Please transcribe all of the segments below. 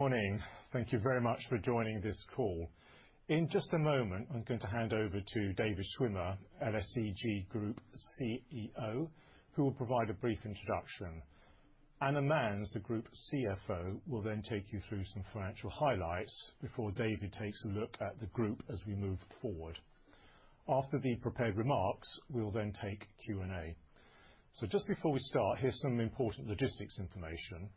Morning. Thank you very much for joining this call. In just a moment, I'm going to hand over to David Schwimmer, LSEG Group CEO, who will provide a brief introduction. Anna Manz, the Group CFO, will then take you through some financial highlights before David takes a look at the group as we move forward. After the prepared remarks, we will then take Q&A. Just before we start, here's some important logistics information.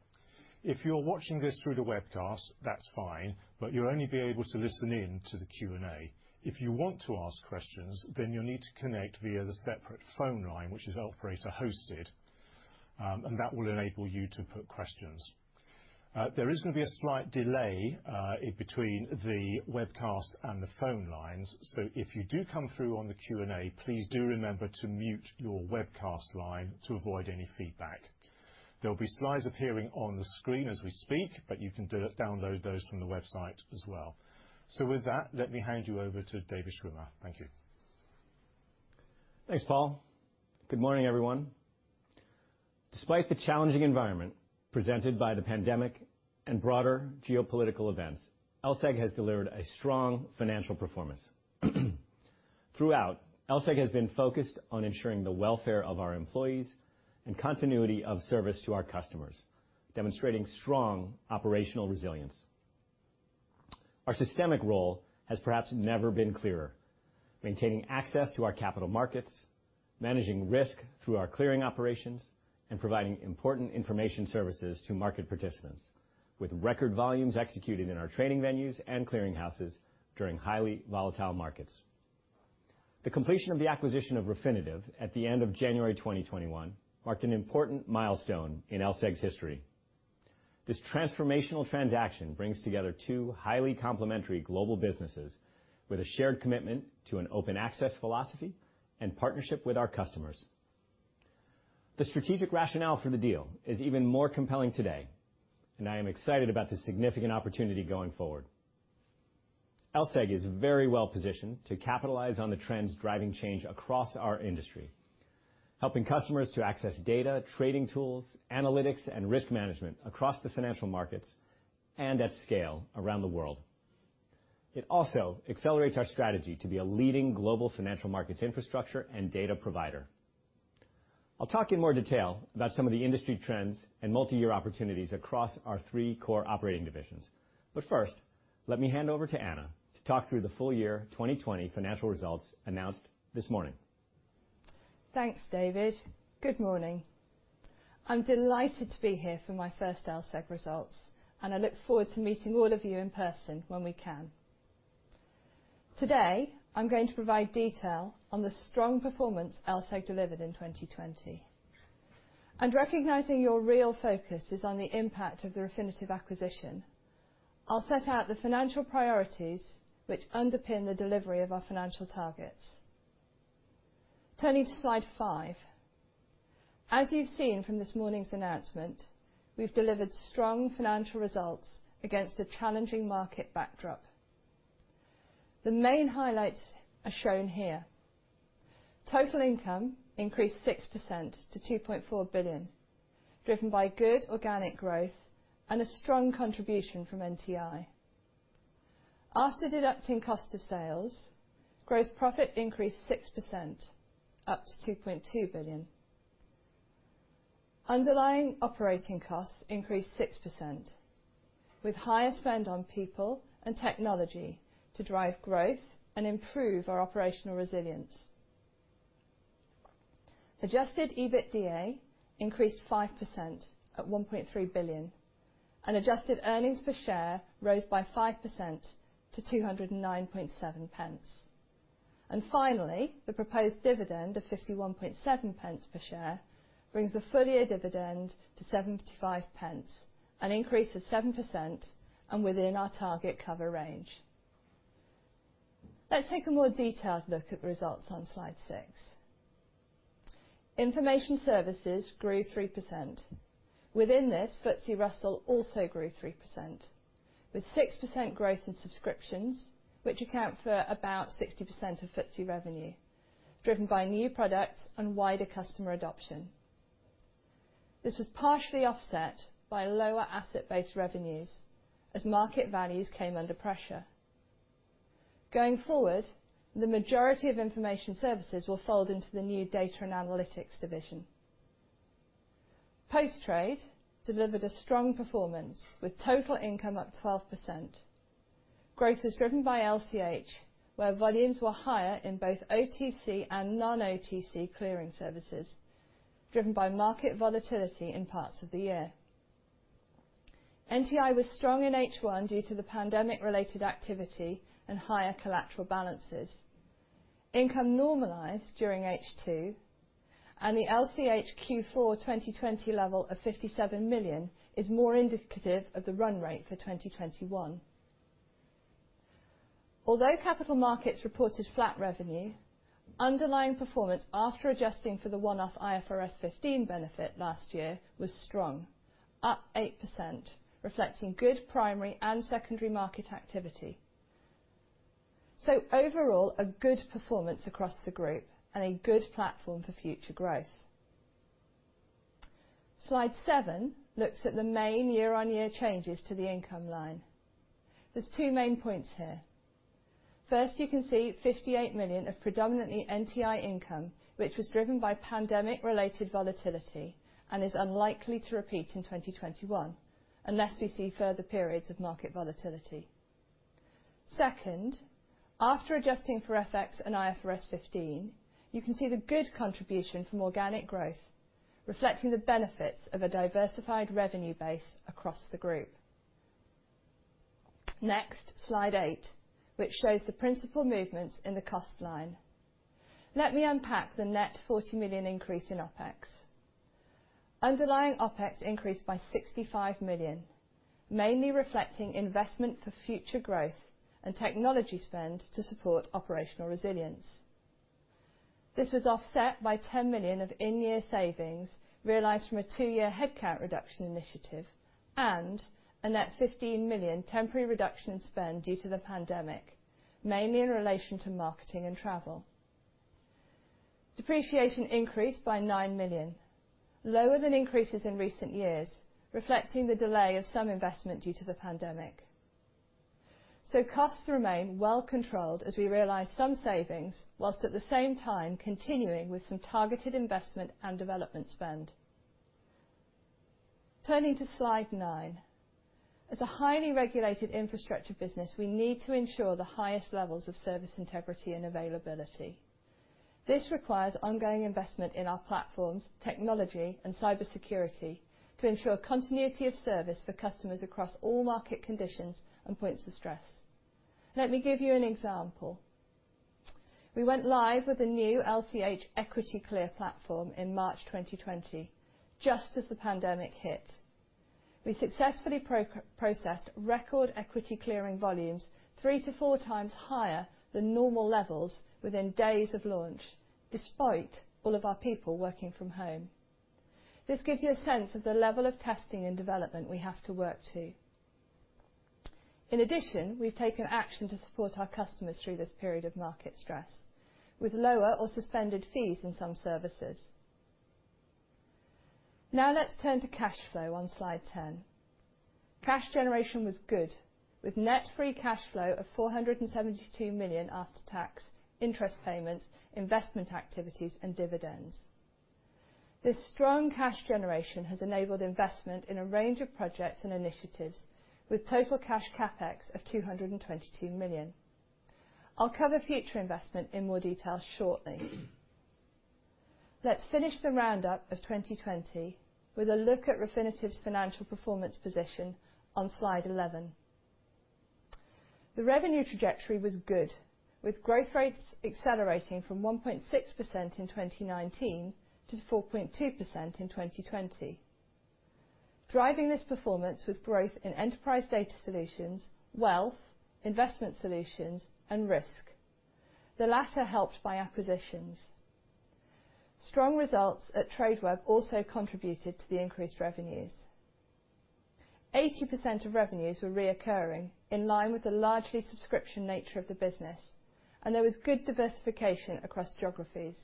If you're watching this through the webcast, that's fine, but you'll only be able to listen in to the Q&A. If you want to ask questions, then you'll need to connect via the separate phone line, which is operator-hosted. That will enable you to put questions. There is going to be a slight delay between the webcast and the phone lines. If you do come through on the Q&A, please do remember to mute your webcast line to avoid any feedback. There'll be slides appearing on the screen as we speak, but you can download those from the website as well. With that, let me hand you over to David Schwimmer. Thank you. Thanks, Paul. Good morning, everyone. Despite the challenging environment presented by the pandemic and broader geopolitical events, LSEG has delivered a strong financial performance. Throughout, LSEG has been focused on ensuring the welfare of our employees and continuity of service to our customers, demonstrating strong operational resilience. Our systemic role has perhaps never been clearer, maintaining access to our Capital Markets, managing risk through our clearing operations, and providing important information services to market participants, with record volumes executed in our trading venues and clearing houses during highly volatile markets. The completion of the acquisition of Refinitiv at the end of January 2021 marked an important milestone in LSEG's history. This transformational transaction brings together two highly complementary global businesses with a shared commitment to an open access philosophy and partnership with our customers. The strategic rationale for the deal is even more compelling today, and I am excited about this significant opportunity going forward. LSEG is very well-positioned to capitalize on the trends driving change across our industry. Helping customers to access data, trading tools, analytics, and risk management across the financial markets, and at scale around the world. It also accelerates our strategy to be a leading global financial markets infrastructure and data provider. I'll talk in more detail about some of the industry trends and multi-year opportunities across our three core operating divisions, but first, let me hand over to Anna to talk through the full year 2020 financial results announced this morning. Thanks, David. Good morning. I'm delighted to be here for my first LSEG results, and I look forward to meeting all of you in person when we can. Today, I'm going to provide detail on the strong performance LSEG delivered in 2020. Recognizing your real focus is on the impact of the Refinitiv acquisition, I'll set out the financial priorities which underpin the delivery of our financial targets. Turning to slide five. As you've seen from this morning's announcement, we've delivered strong financial results against a challenging market backdrop. The main highlights are shown here. Total income increased 6% to 2.4 billion, driven by good organic growth and a strong contribution from NTI. After deducting cost of sales, gross profit increased 6%, up to 2.2 billion. Underlying operating costs increased 6%, with higher spend on people and technology to drive growth and improve our operational resilience. Adjusted EBITDA increased 5% at 1.3 billion, and adjusted earnings per share rose by 5% to 2.097. Finally, the proposed dividend of 0.517 per share brings the full-year dividend to 0.75, an increase of 7% and within our target cover range. Let's take a more detailed look at results on slide six. Information services grew 3%. Within this, FTSE Russell also grew 3%, with 6% growth in subscriptions, which account for about 60% of FTSE revenue, driven by new products and wider customer adoption. This was partially offset by lower asset-based revenues as market values came under pressure. Going forward, the majority of information services will fold into the new Data & Analytics division. Post Trade delivered a strong performance, with total income up 12%. Growth is driven by LCH, where volumes were higher in both OTC and non-OTC clearing services, driven by market volatility in parts of the year. NTI was strong in H1 due to the pandemic-related activity and higher collateral balances. Income normalized during H2, and the LCH Q4 for 2020 level of 57 million is more indicative of the run rate for 2021. Although Capital Markets reported flat revenue, underlying performance after adjusting for the one-off IFRS 15 benefit last year was strong, up 8%, reflecting good primary and secondary market activity. Overall, a good performance across the group and a good platform for future growth. Slide seven looks at the main year-on-year changes to the income line. There's two main points here. First, you can see 58 million of predominantly NTI income, which was driven by pandemic-related volatility and is unlikely to repeat in 2021 unless we see further periods of market volatility. Second, after adjusting for FX and IFRS 15, you can see the good contribution from organic growth, reflecting the benefits of a diversified revenue base across the group. Next, slide eight, which shows the principal movements in the cost line. Let me unpack the net 40 million increase in OpEx. Underlying OpEx increased by 65 million, mainly reflecting investment for future growth and technology spend to support operational resilience. This was offset by 10 million of in-year savings realized from a two-year headcount reduction initiative and a net 15 million temporary reduction in spend due to the pandemic, mainly in relation to marketing and travel. Depreciation increased by 9 million, lower than increases in recent years, reflecting the delay of some investment due to the pandemic. Costs remain well controlled as we realize some savings, whilst at the same time continuing with some targeted investment and development spend. Turning to slide nine. As a highly regulated infrastructure business, we need to ensure the highest levels of service integrity and availability. This requires ongoing investment in our platforms, technology and cybersecurity to ensure continuity of service for customers across all market conditions and points of stress. Let me give you an example. We went live with the new LCH EquityClear platform in March 2020, just as the pandemic hit. We successfully processed record equity clearing volumes three to four times higher than normal levels within days of launch, despite all of our people working from home. This gives you a sense of the level of testing and development we have to work to. We've taken action to support our customers through this period of market stress, with lower or suspended fees in some services. Let's turn to cash flow on slide 10. Cash generation was good, with net free cash flow of 472 million after-tax interest payments, investment activities and dividends. This strong cash generation has enabled investment in a range of projects and initiatives, with total cash CapEx of 222 million. I'll cover future investment in more detail shortly. Let's finish the roundup of 2020 with a look at Refinitiv's financial performance position on slide 11. The revenue trajectory was good, with growth rates accelerating from 1.6% in 2019 to 4.2% in 2020. Driving this performance with growth in Enterprise Data Solutions, Wealth Solutions, Investment Solutions and risk, the latter helped by acquisitions. Strong results at Tradeweb also contributed to the increased revenues. 80% of revenues were recurring in line with the largely subscription nature of the business, and there was good diversification across geographies.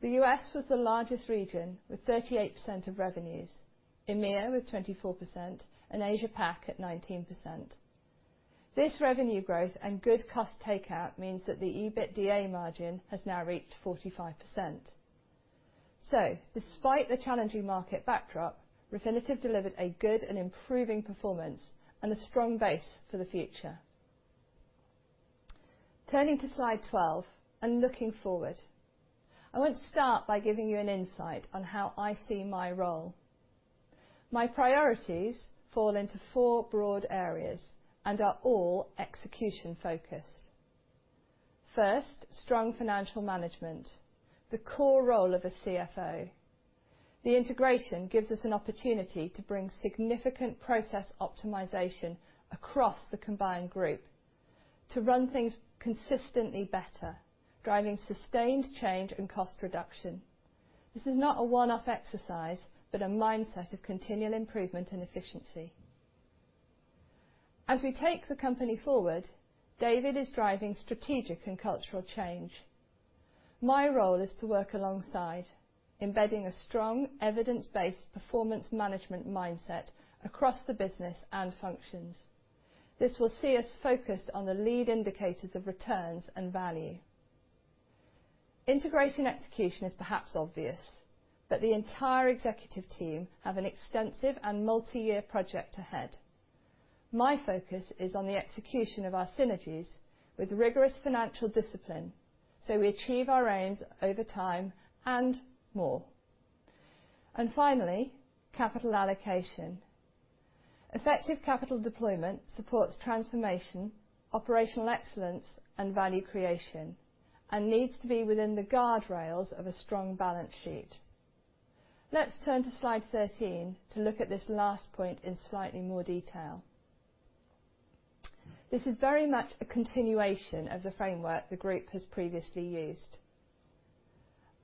The U.S. was the largest region, with 38% of revenues, EMEA with 24% and Asia Pac at 19%. This revenue growth and good cost takeout means that the EBITDA margin has now reached 45%. Despite the challenging market backdrop, Refinitiv delivered a good and improving performance and a strong base for the future. Turning to slide 12 and looking forward. I want to start by giving you an insight on how I see my role. My priorities fall into four broad areas and are all execution-focused. First, strong financial management, the core role of a CFO. The integration gives us an opportunity to bring significant process optimization across the combined group to run things consistently better, driving sustained change and cost reduction. This is not a one-off exercise, but a mindset of continual improvement and efficiency. As we take the company forward, David is driving strategic and cultural change. My role is to work alongside, embedding a strong evidence-based performance management mindset across the business and functions. This will see us focused on the lead indicators of returns and value. Integration execution is perhaps obvious, but the entire executive team have an extensive and multi-year project ahead. My focus is on the execution of our synergies with rigorous financial discipline, so we achieve our aims over time and more. Finally, capital allocation. Effective capital deployment supports transformation, operational excellence and value creation, and needs to be within the guardrails of a strong balance sheet. Let's turn to slide 13 to look at this last point in slightly more detail. This is very much a continuation of the framework the group has previously used.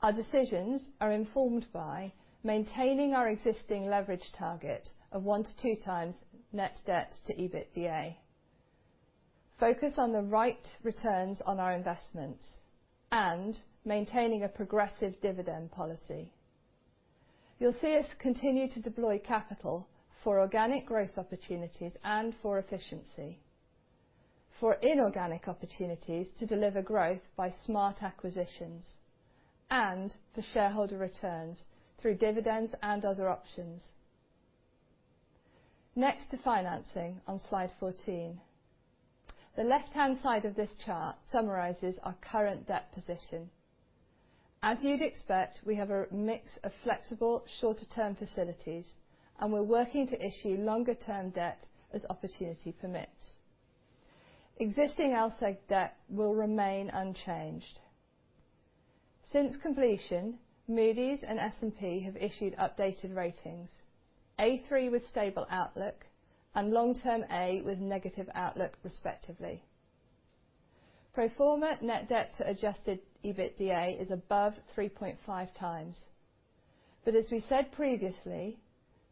Our decisions are informed by maintaining our existing leverage target of one to two times net debt to EBITDA, focus on the right returns on our investments, and maintaining a progressive dividend policy. You'll see us continue to deploy capital for organic growth opportunities and for efficiency, for inorganic opportunities to deliver growth by smart acquisitions, and for shareholder returns through dividends and other options. Next to financing on slide 14. The left-hand side of this chart summarizes our current debt position. As you'd expect, we have a mix of flexible shorter-term facilities, and we're working to issue longer-term debt as opportunity permits. Existing LSEG debt will remain unchanged. Since completion, Moody's and S&P have issued updated ratings, A3 with stable outlook and long-term A with negative outlook respectively. Pro forma net debt to adjusted EBITDA is above 3.5x. As we said previously,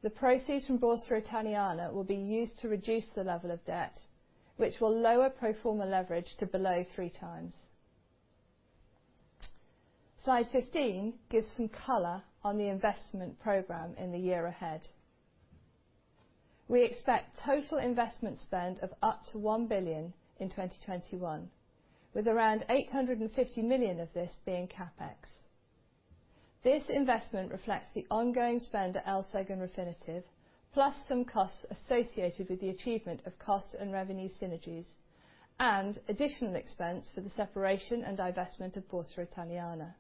the proceeds from Borsa Italiana will be used to reduce the level of debt, which will lower pro forma leverage to below three times. Slide 15 gives some color on the investment program in the year ahead. We expect total investment spend of up to 1 billion in 2021, with around 850 million of this being CapEx. This investment reflects the ongoing spend at LSEG and Refinitiv, plus some costs associated with the achievement of cost and revenue synergies, and additional expense for the separation and divestment of Borsa Italiana.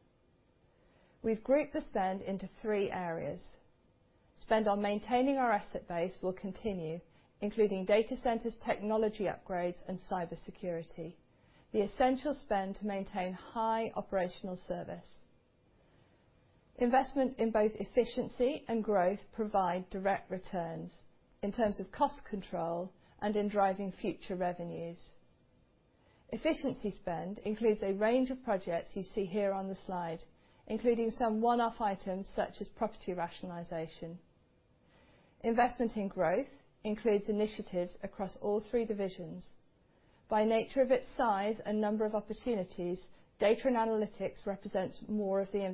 We've grouped the spend into three areas. Spend on maintaining our asset base will continue, including data centers, technology upgrades, and cybersecurity, the essential spend to maintain high operational service. Investment in both efficiency and growth provide direct returns in terms of cost control and in driving future revenues. Efficiency spend includes a range of projects you see here on the slide, including some one-off items such as property rationalization. Investment in growth includes initiatives across all three divisions. By nature of its size and number of opportunities, Data & Analytics represents more of the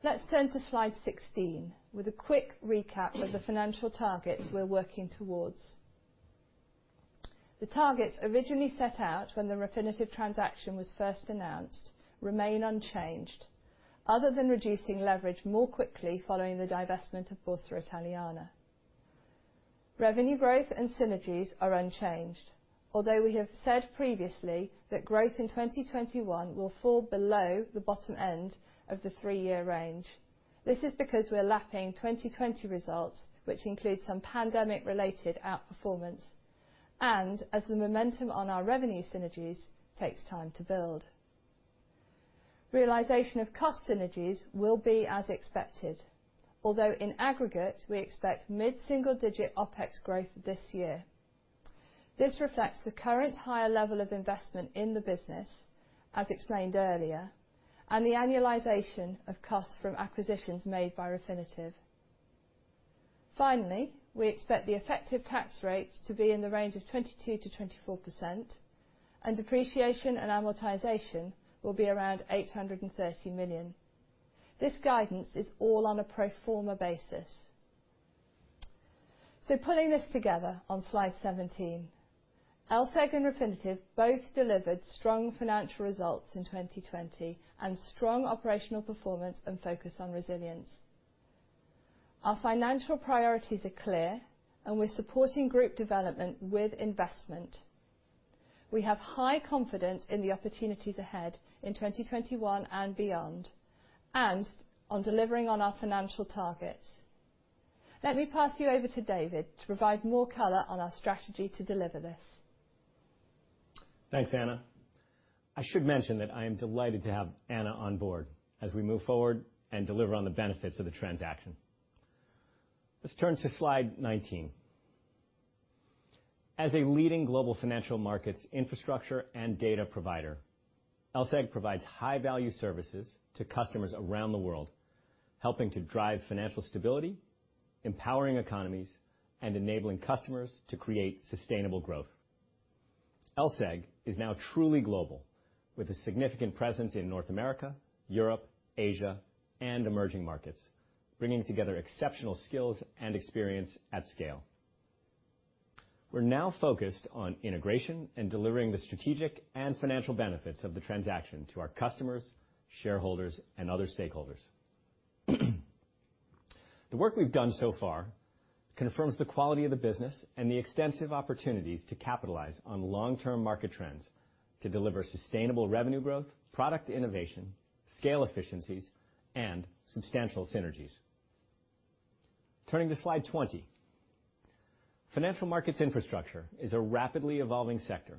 investment. Let's turn to slide 16 with a quick recap of the financial targets we're working towards. The targets originally set out when the Refinitiv transaction was first announced remain unchanged, other than reducing leverage more quickly following the divestment of Borsa Italiana. Revenue growth and synergies are unchanged, although we have said previously that growth in 2021 will fall below the bottom end of the three-year range. This is because we're lapping 2020 results, which include some pandemic-related outperformance, and as the momentum on our revenue synergies takes time to build. Realization of cost synergies will be as expected, although in aggregate, we expect mid-single-digit OpEx growth this year. This reflects the current higher level of investment in the business, as explained earlier, and the annualization of costs from acquisitions made by Refinitiv. Finally, we expect the effective tax rate to be in the range of 22%-24%, and depreciation and amortization will be around 830 million. This guidance is all on a pro forma basis. Pulling this together on slide 17, LSEG and Refinitiv both delivered strong financial results in 2020 and strong operational performance and focus on resilience. Our financial priorities are clear, and we're supporting group development with investment. We have high confidence in the opportunities ahead in 2021 and beyond, and on delivering on our financial targets. Let me pass you over to David to provide more color on our strategy to deliver this. Thanks, Anna. I should mention that I am delighted to have Anna on board as we move forward and deliver on the benefits of the transaction. Let's turn to slide 19. As a leading global financial markets infrastructure and data provider, LSEG provides high-value services to customers around the world, helping to drive financial stability, empowering economies, and enabling customers to create sustainable growth. LSEG is now truly global, with a significant presence in North America, Europe, Asia, and emerging markets, bringing together exceptional skills and experience at scale. We're now focused on integration and delivering the strategic and financial benefits of the transaction to our customers, shareholders, and other stakeholders. The work we've done so far confirms the quality of the business and the extensive opportunities to capitalize on long-term market trends to deliver sustainable revenue growth, product innovation, scale efficiencies, and substantial synergies. Turning to slide 20. Financial markets infrastructure is a rapidly evolving sector,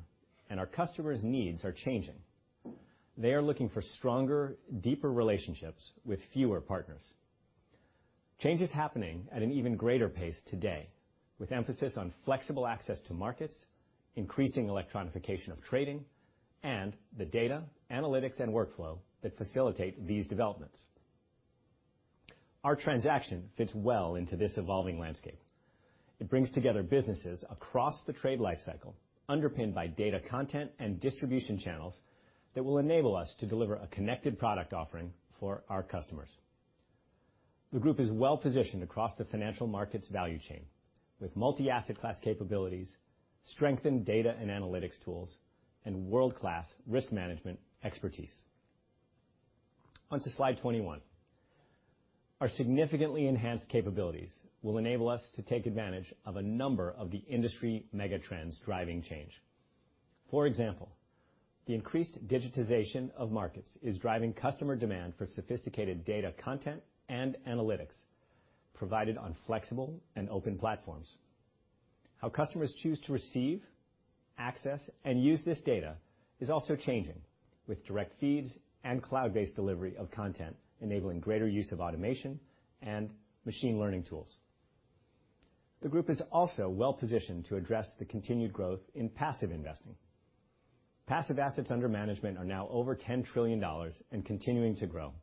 and our customers' needs are changing. They are looking for stronger, deeper relationships with fewer partners. Change is happening at an even greater pace today, with emphasis on flexible access to markets, increasing electronification of trading, and the Data, Analytics & Workflow that facilitate these developments. Our transaction fits well into this evolving landscape. It brings together businesses across the trade life cycle, underpinned by data content and distribution channels that will enable us to deliver a connected product offering for our customers. The group is well-positioned across the financial markets value chain with multi-asset class capabilities, strengthened data and analytics tools, and world-class risk management expertise. Onto slide 21. Our significantly enhanced capabilities will enable us to take advantage of a number of the industry megatrends driving change. For example, the increased digitization of markets is driving customer demand for sophisticated data content and analytics provided on flexible and open platforms. How customers choose to receive, access, and use this data is also changing with direct feeds and cloud-based delivery of content enabling greater use of automation and machine learning tools. The group is also well-positioned to address the continued growth in passive investing. Passive assets under management are now over $10 trillion and continuing to grow.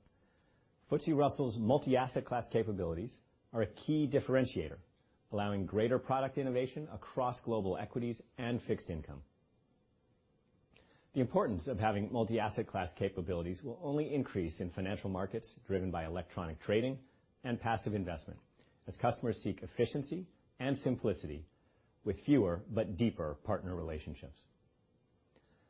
FTSE Russell's multi-asset class capabilities are a key differentiator, allowing greater product innovation across global equities and fixed income. The importance of having multi-asset class capabilities will only increase in financial markets driven by electronic trading and passive investment as customers seek efficiency and simplicity with fewer but deeper partner relationships.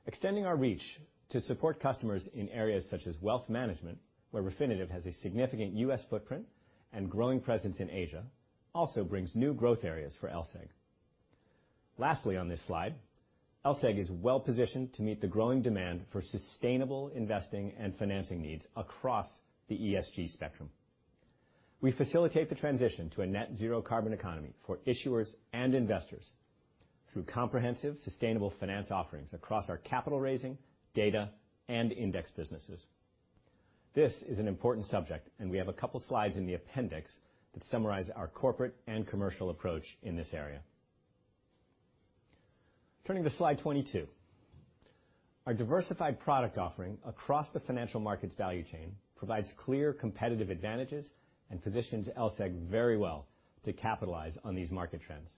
Extending our reach to support customers in areas such as wealth management, where Refinitiv has a significant U.S. footprint and growing presence in Asia, also brings new growth areas for LSEG. Lastly, on this slide, LSEG is well-positioned to meet the growing demand for sustainable investing and financing needs across the ESG spectrum. We facilitate the transition to a net-zero carbon economy for issuers and investors through comprehensive sustainable finance offerings across our capital raising, data, and index businesses. This is an important subject, and we have a couple slides in the appendix that summarize our corporate and commercial approach in this area. Turning to slide 22. Our diversified product offering across the financial markets value chain provides clear competitive advantages and positions LSEG very well to capitalize on these market trends.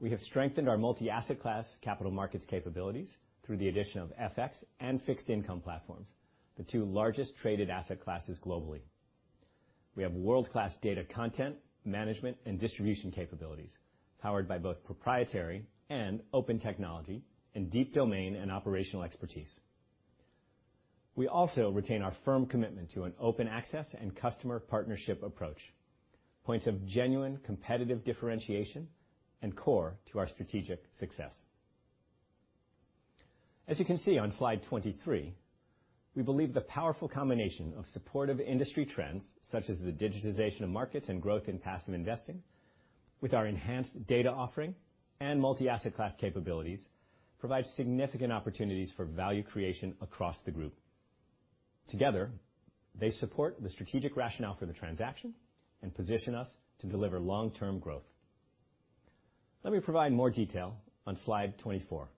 We have strengthened our multi-asset class Capital Markets capabilities through the addition of FX and fixed income platforms, the two largest traded asset classes globally. We have world-class data content, management, and distribution capabilities powered by both proprietary and open technology and deep domain and operational expertise. We also retain our firm commitment to an open access and customer partnership approach, points of genuine competitive differentiation and core to our strategic success. As you can see on slide 23, we believe the powerful combination of supportive industry trends such as the digitization of markets and growth in passive investing with our enhanced data offering and multi-asset class capabilities provide significant opportunities for value creation across the group. Together, they support the strategic rationale for the transaction and position us to deliver long-term growth. Let me provide more detail on slide 24.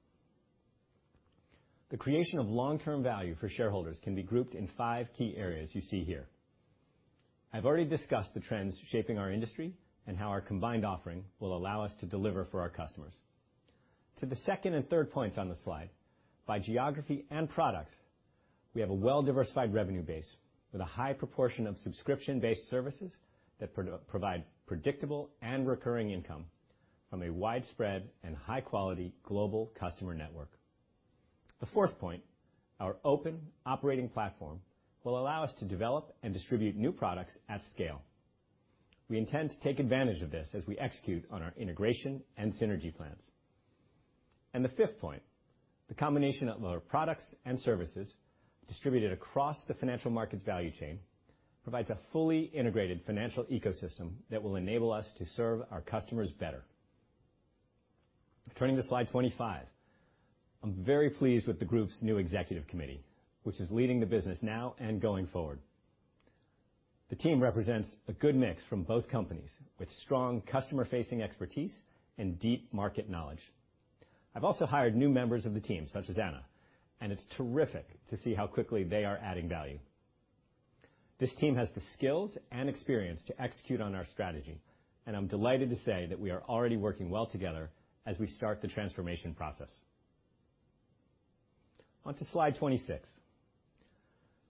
The creation of long-term value for shareholders can be grouped in five key areas you see here. I've already discussed the trends shaping our industry and how our combined offering will allow us to deliver for our customers. To the second and third points on the slide, by geography and products, we have a well-diversified revenue base with a high proportion of subscription-based services that provide predictable and recurring income from a widespread and high-quality global customer network. The fourth point, our open operating platform, will allow us to develop and distribute new products at scale. We intend to take advantage of this as we execute on our integration and synergy plans. The fifth point, the combination of our products and services distributed across the financial markets value chain provides a fully integrated financial ecosystem that will enable us to serve our customers better. Turning to slide 25. I'm very pleased with the group's new executive committee, which is leading the business now and going forward. The team represents a good mix from both companies with strong customer-facing expertise and deep market knowledge. I've also hired new members of the team such as Anna, and it's terrific to see how quickly they are adding value. This team has the skills and experience to execute on our strategy, and I'm delighted to say that we are already working well together as we start the transformation process. Onto slide 26.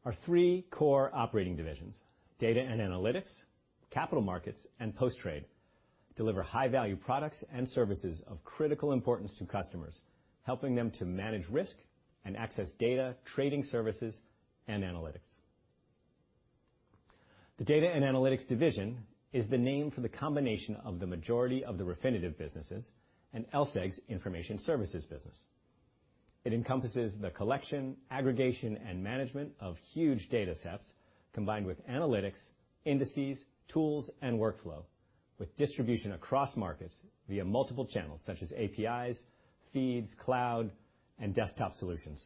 Our three core operating divisions, Data & Analytics, Capital Markets, and Post Trade, deliver high-value products and services of critical importance to customers, helping them to manage risk and access data, trading services, and analytics. The Data & Analytics division is the name for the combination of the majority of the Refinitiv businesses and LSEG's information services business. It encompasses the collection, aggregation, and management of huge datasets combined with analytics, indices, tools, and workflow with distribution across markets via multiple channels such as APIs, feeds, cloud, and desktop solutions.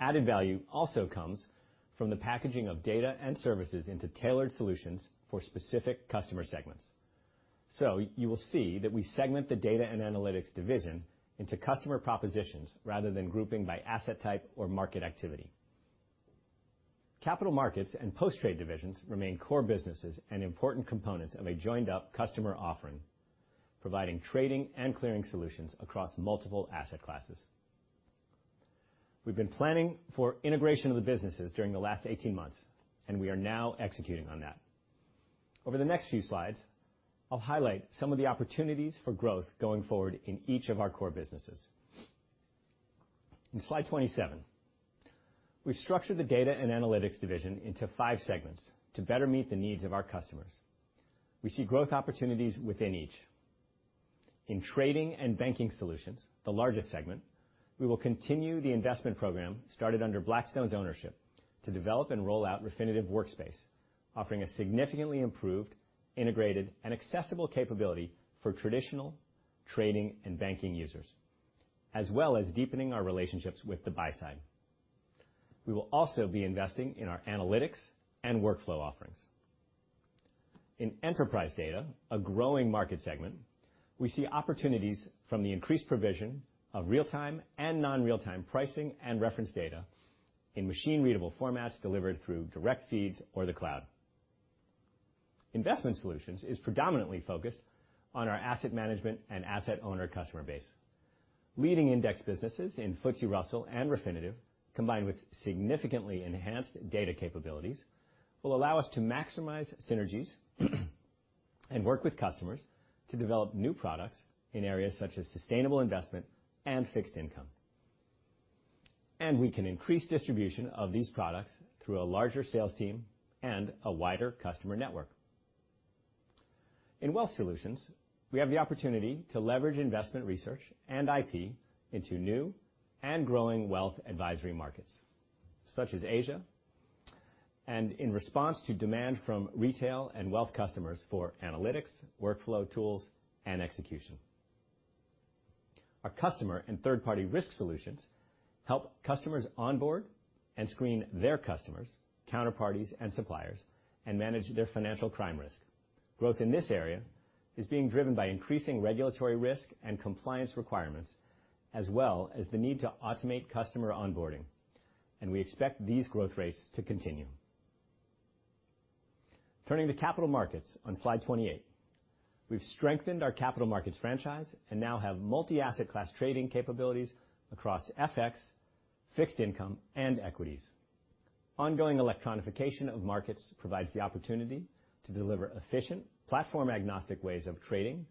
Added value also comes from the packaging of data and services into tailored solutions for specific customer segments. You will see that we segment the Data & Analytics division into customer propositions rather than grouping by asset type or market activity. Capital Markets and Post Trade divisions remain core businesses and important components of a joined-up customer offering, providing trading and clearing solutions across multiple asset classes. We've been planning for integration of the businesses during the last 18 months, and we are now executing on that. Over the next few slides, I'll highlight some of the opportunities for growth going forward in each of our core businesses. In slide 27, we've structured the Data & Analytics division into five segments to better meet the needs of our customers. We see growth opportunities within each. In Trading & Banking Solutions, the largest segment, we will continue the investment program started under Blackstone's ownership to develop and roll out Refinitiv Workspace, offering a significantly improved, integrated, and accessible capability for traditional trading and banking users, as well as deepening our relationships with the buy side. We will also be investing in our analytics and workflow offerings. In Enterprise Data, a growing market segment, we see opportunities from the increased provision of real-time and non-real-time pricing and reference data in machine-readable formats delivered through direct feeds or the cloud. Investment Solutions is predominantly focused on our asset management and asset owner customer base. Leading index businesses in FTSE Russell and Refinitiv, combined with significantly enhanced data capabilities, will allow us to maximize synergies and work with customers to develop new products in areas such as sustainable investment and fixed income. We can increase distribution of these products through a larger sales team and a wider customer network. In Wealth Solutions, we have the opportunity to leverage investment research and IP into new and growing wealth advisory markets, such as Asia, and in response to demand from retail and wealth customers for analytics, workflow tools, and execution. Our Customer and Third-Party Risk Solutions help customers onboard and screen their customers, counterparties, and suppliers, and manage their financial crime risk. Growth in this area is being driven by increasing regulatory risk and compliance requirements, as well as the need to automate customer onboarding, and we expect these growth rates to continue. Turning to Capital Markets on slide 28. We've strengthened our Capital Markets franchise and now have multi-asset class trading capabilities across FX, fixed income, and equities. Ongoing electronification of markets provides the opportunity to deliver efficient, platform-agnostic ways of trading,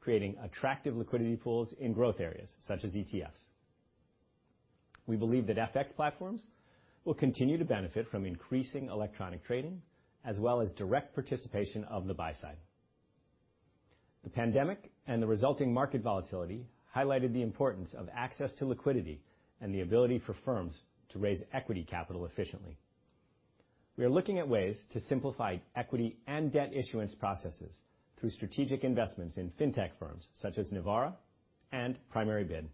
creating attractive liquidity pools in growth areas such as ETFs. We believe that FX platforms will continue to benefit from increasing electronic trading as well as direct participation of the buy side. The pandemic and the resulting market volatility highlighted the importance of access to liquidity and the ability for firms to raise equity capital efficiently. We are looking at ways to simplify equity and debt issuance processes through strategic investments in fintech firms such as Nivaura and PrimaryBid.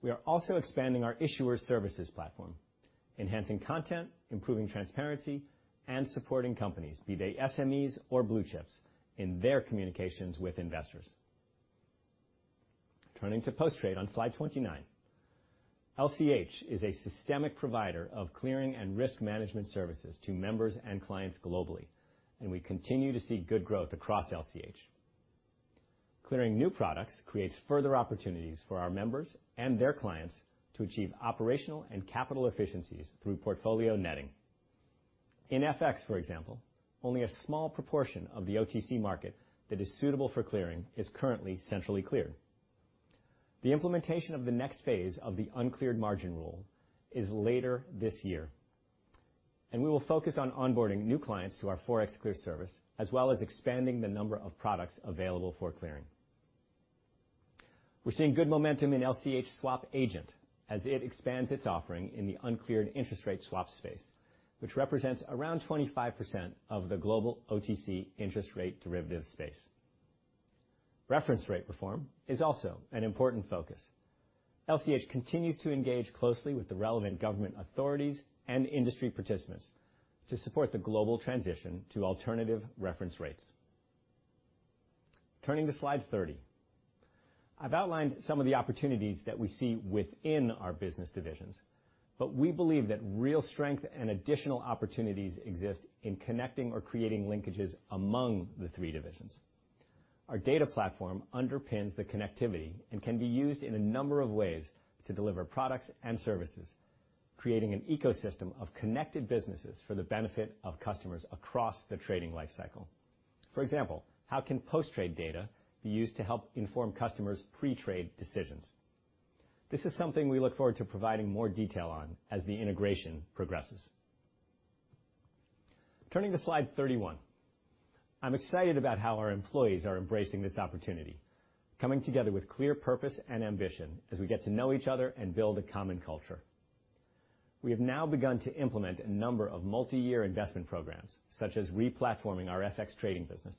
We are also expanding our issuer services platform, enhancing content, improving transparency, and supporting companies, be they SMEs or blue chips, in their communications with investors. Turning to Post Trade on slide 29. LCH is a systemic provider of clearing and risk management services to members and clients globally, and we continue to see good growth across LCH. Clearing new products creates further opportunities for our members and their clients to achieve operational and capital efficiencies through portfolio netting. In FX, for example, only a small proportion of the OTC market that is suitable for clearing is currently centrally cleared. The implementation of the next phase of the uncleared margin rule is later this year. We will focus on onboarding new clients to our ForexClear service, as well as expanding the number of products available for clearing. We're seeing good momentum in LCH SwapAgent as it expands its offering in the uncleared interest rate swap space, which represents around 25% of the global OTC interest rate derivative space. Reference rate reform is also an important focus. LCH continues to engage closely with the relevant government authorities and industry participants to support the global transition to alternative reference rates. Turning to slide 30. I've outlined some of the opportunities that we see within our business divisions, but we believe that real strength and additional opportunities exist in connecting or creating linkages among the three divisions. Our data platform underpins the connectivity and can be used in a number of ways to deliver products and services, creating an ecosystem of connected businesses for the benefit of customers across the trading life cycle. For example, how can post-trade data be used to help inform customers' pre-trade decisions? This is something we look forward to providing more detail on as the integration progresses. Turning to slide 31. I'm excited about how our employees are embracing this opportunity, coming together with clear purpose and ambition as we get to know each other and build a common culture. We have now begun to implement a number of multi-year investment programs, such as replatforming our FX trading business,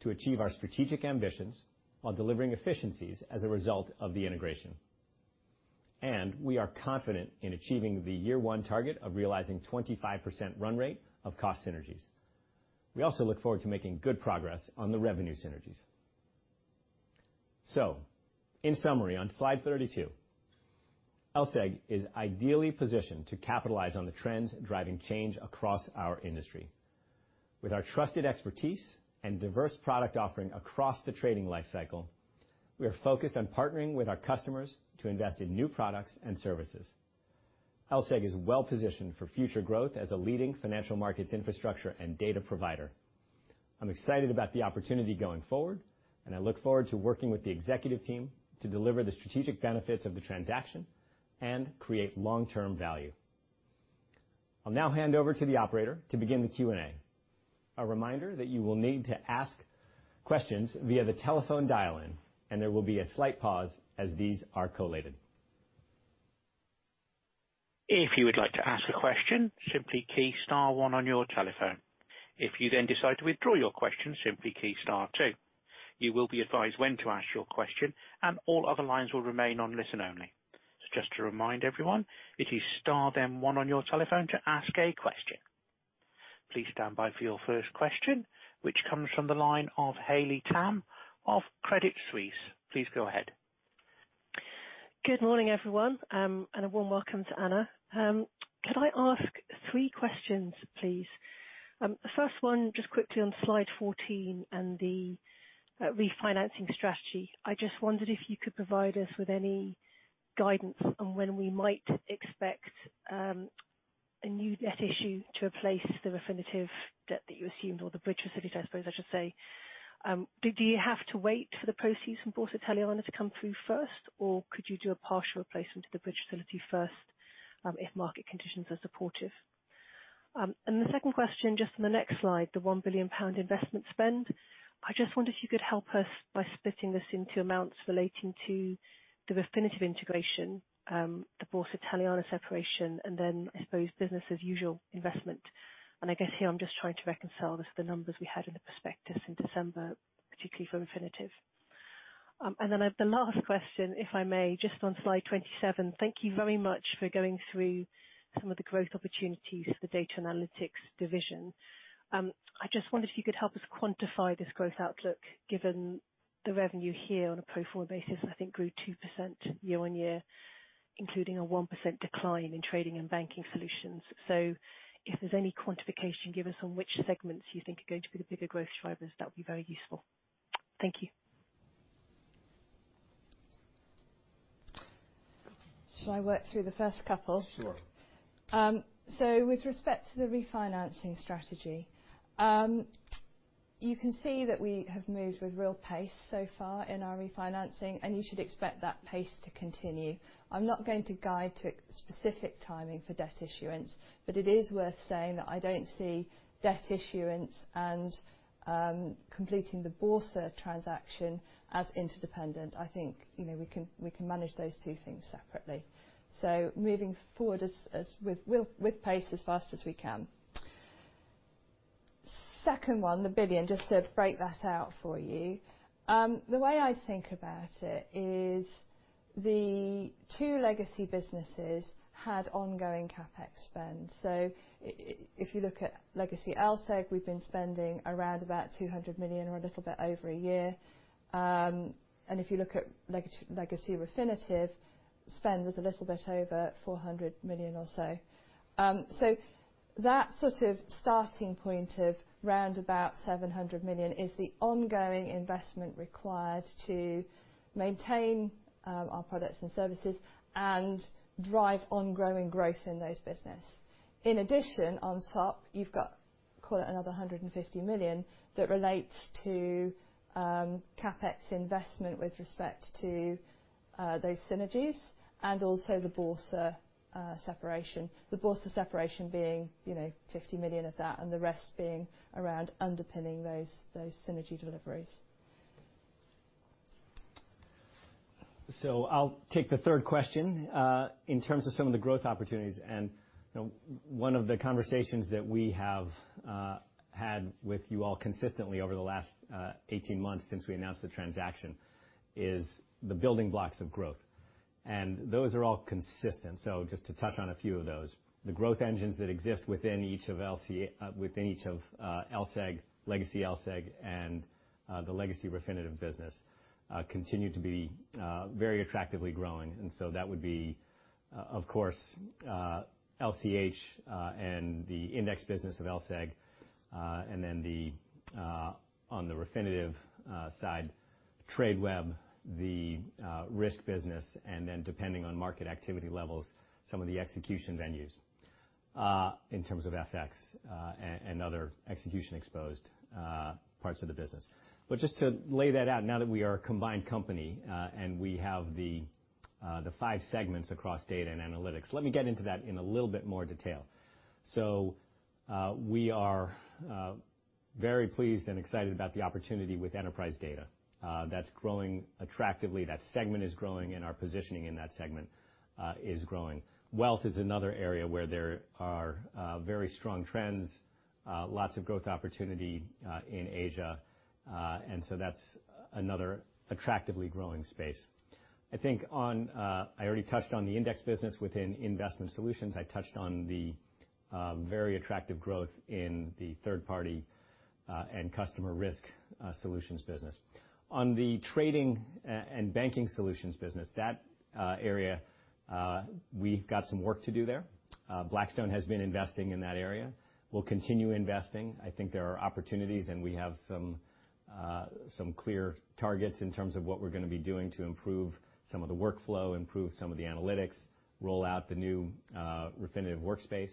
to achieve our strategic ambitions while delivering efficiencies as a result of the integration. We are confident in achieving the year one target of realizing 25% run rate of cost synergies. We also look forward to making good progress on the revenue synergies. In summary, on Slide 32, LSEG is ideally positioned to capitalize on the trends driving change across our industry. With our trusted expertise and diverse product offering across the trading life cycle, we are focused on partnering with our customers to invest in new products and services. LSEG is well-positioned for future growth as a leading financial markets infrastructure and data provider. I'm excited about the opportunity going forward, and I look forward to working with the executive team to deliver the strategic benefits of the transaction and create long-term value. I'll now hand over to the operator to begin the Q&A. Our reminder that you will need to ask questions via telephone dialling and there will be a slight pause as this is collated. If you would like to ask a question simply key star one on your telephone, if you decided to withdraw your questions simply key star two. You will be advised when to ask your question and all the lines will be in listen only. Please stand by for your first question, which comes from the line of Haley Tam of Credit Suisse. Please go ahead. Good morning, everyone, a warm welcome to Anna. Could I ask three questions, please? First one, just quickly on Slide 14 and the refinancing strategy. I just wondered if you could provide us with any guidance on when we might expect a new net issue to replace the Refinitiv debt that you assumed or the bridge facility, I suppose I should say. Do you have to wait for the proceeds from Borsa Italiana to come through first, or could you do a partial replacement of the bridge facility first if market conditions are supportive? The second question, just on the next slide, the 1 billion pound investment spend. I just wonder if you could help us by splitting this into amounts relating to the Refinitiv integration, the Borsa Italiana separation, and then, I suppose, business as usual investment. I guess here I'm just trying to reconcile this with the numbers we had in the prospectus in December, particularly for Refinitiv. The last question, if I may, just on Slide 27. Thank you very much for going through some of the growth opportunities for the Data & Analytics division. I just wondered if you could help us quantify this growth outlook, given the revenue here on a pro forma basis, I think grew 2% year-on-year, including a 1% decline in Trading & Banking Solutions. If there's any quantification you can give us on which segments you think are going to be the bigger growth drivers, that would be very useful. Thank you. Shall I work through the first couple? Sure. With respect to the refinancing strategy, you can see that we have moved with real pace so far in our refinancing, and you should expect that pace to continue. I'm not going to guide to specific timing for debt issuance, but it is worth saying that I don't see debt issuance and completing the Borsa transaction as interdependent. I think we can manage those two things separately. Moving forward with pace as fast as we can. Second one, the billion, just to break that out for you. The way I think about it is the two legacy businesses had ongoing CapEx spend. If you look at legacy LSEG, we've been spending around about 200 million or a little bit over a year. If you look at legacy Refinitiv spend was a little bit over 400 million or so. That sort of starting point of round about 700 million is the ongoing investment required to maintain our products and services and drive ongoing growth in those business. In addition, on top, you've got, call it another 150 million that relates to CapEx investment with respect to those synergies and also the Borsa separation. The Borsa separation being 50 million of that, and the rest being around underpinning those synergy deliveries. I'll take the third question. In terms of some of the growth opportunities, and one of the conversations that we have had with you all consistently over the last 18 months since we announced the transaction, is the building blocks of growth. Those are all consistent. Just to touch on a few of those. The growth engines that exist within each of legacy LSEG and the legacy Refinitiv business continue to be very attractively growing. That would be, of course, LCH and the index business of LSEG. On the Refinitiv side, Tradeweb, the risk business, and then depending on market activity levels, some of the execution venues in terms of FX and other execution-exposed parts of the business. Just to lay that out now that we are a combined company and we have the five segments across Data & Analytics, let me get into that in a little bit more detail. We are very pleased and excited about the opportunity with Enterprise Data. That's growing attractively. That segment is growing, and our positioning in that segment, is growing. Wealth is another area where there are very strong trends, lots of growth opportunity in Asia. That's another attractively growing space. I think I already touched on the index business within Investment Solutions. I touched on the very attractive growth in the Customer and Third-Party Risk Solutions business. On the Trading & Banking Solutions business, that area, we've got some work to do there. Blackstone has been investing in that area. We'll continue investing. I think there are opportunities, and we have some clear targets in terms of what we're going to be doing to improve some of the workflow, improve some of the analytics, roll out the new Refinitiv Workspace.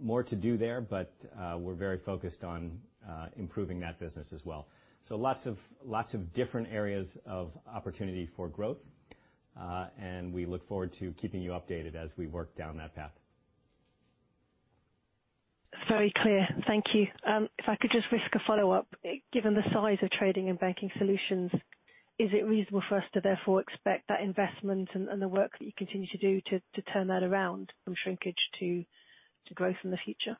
More to do there, but we're very focused on improving that business as well. Lots of different areas of opportunity for growth. We look forward to keeping you updated as we work down that path. Very clear. Thank you. If I could just risk a follow-up. Given the size of Trading & Banking Solutions, is it reasonable for us to therefore expect that investment and the work that you continue to do to turn that around from shrinkage to growth in the future?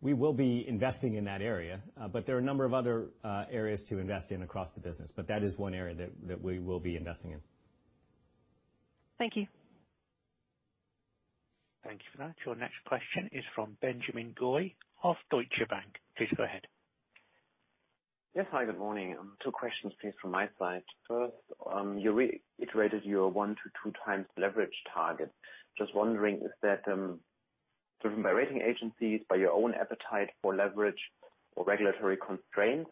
We will be investing in that area. There are a number of other areas to invest in across the business. That is one area that we will be investing in. Thank you. Thank you for that. Your next question is from Benjamin Goy of Deutsche Bank. Please go ahead. Yes. Hi, good morning. Two questions, please, from my side. First, you reiterated your 1x to 2x leverage target. Just wondering, is that driven by rating agencies, by your own appetite for leverage or regulatory constraints?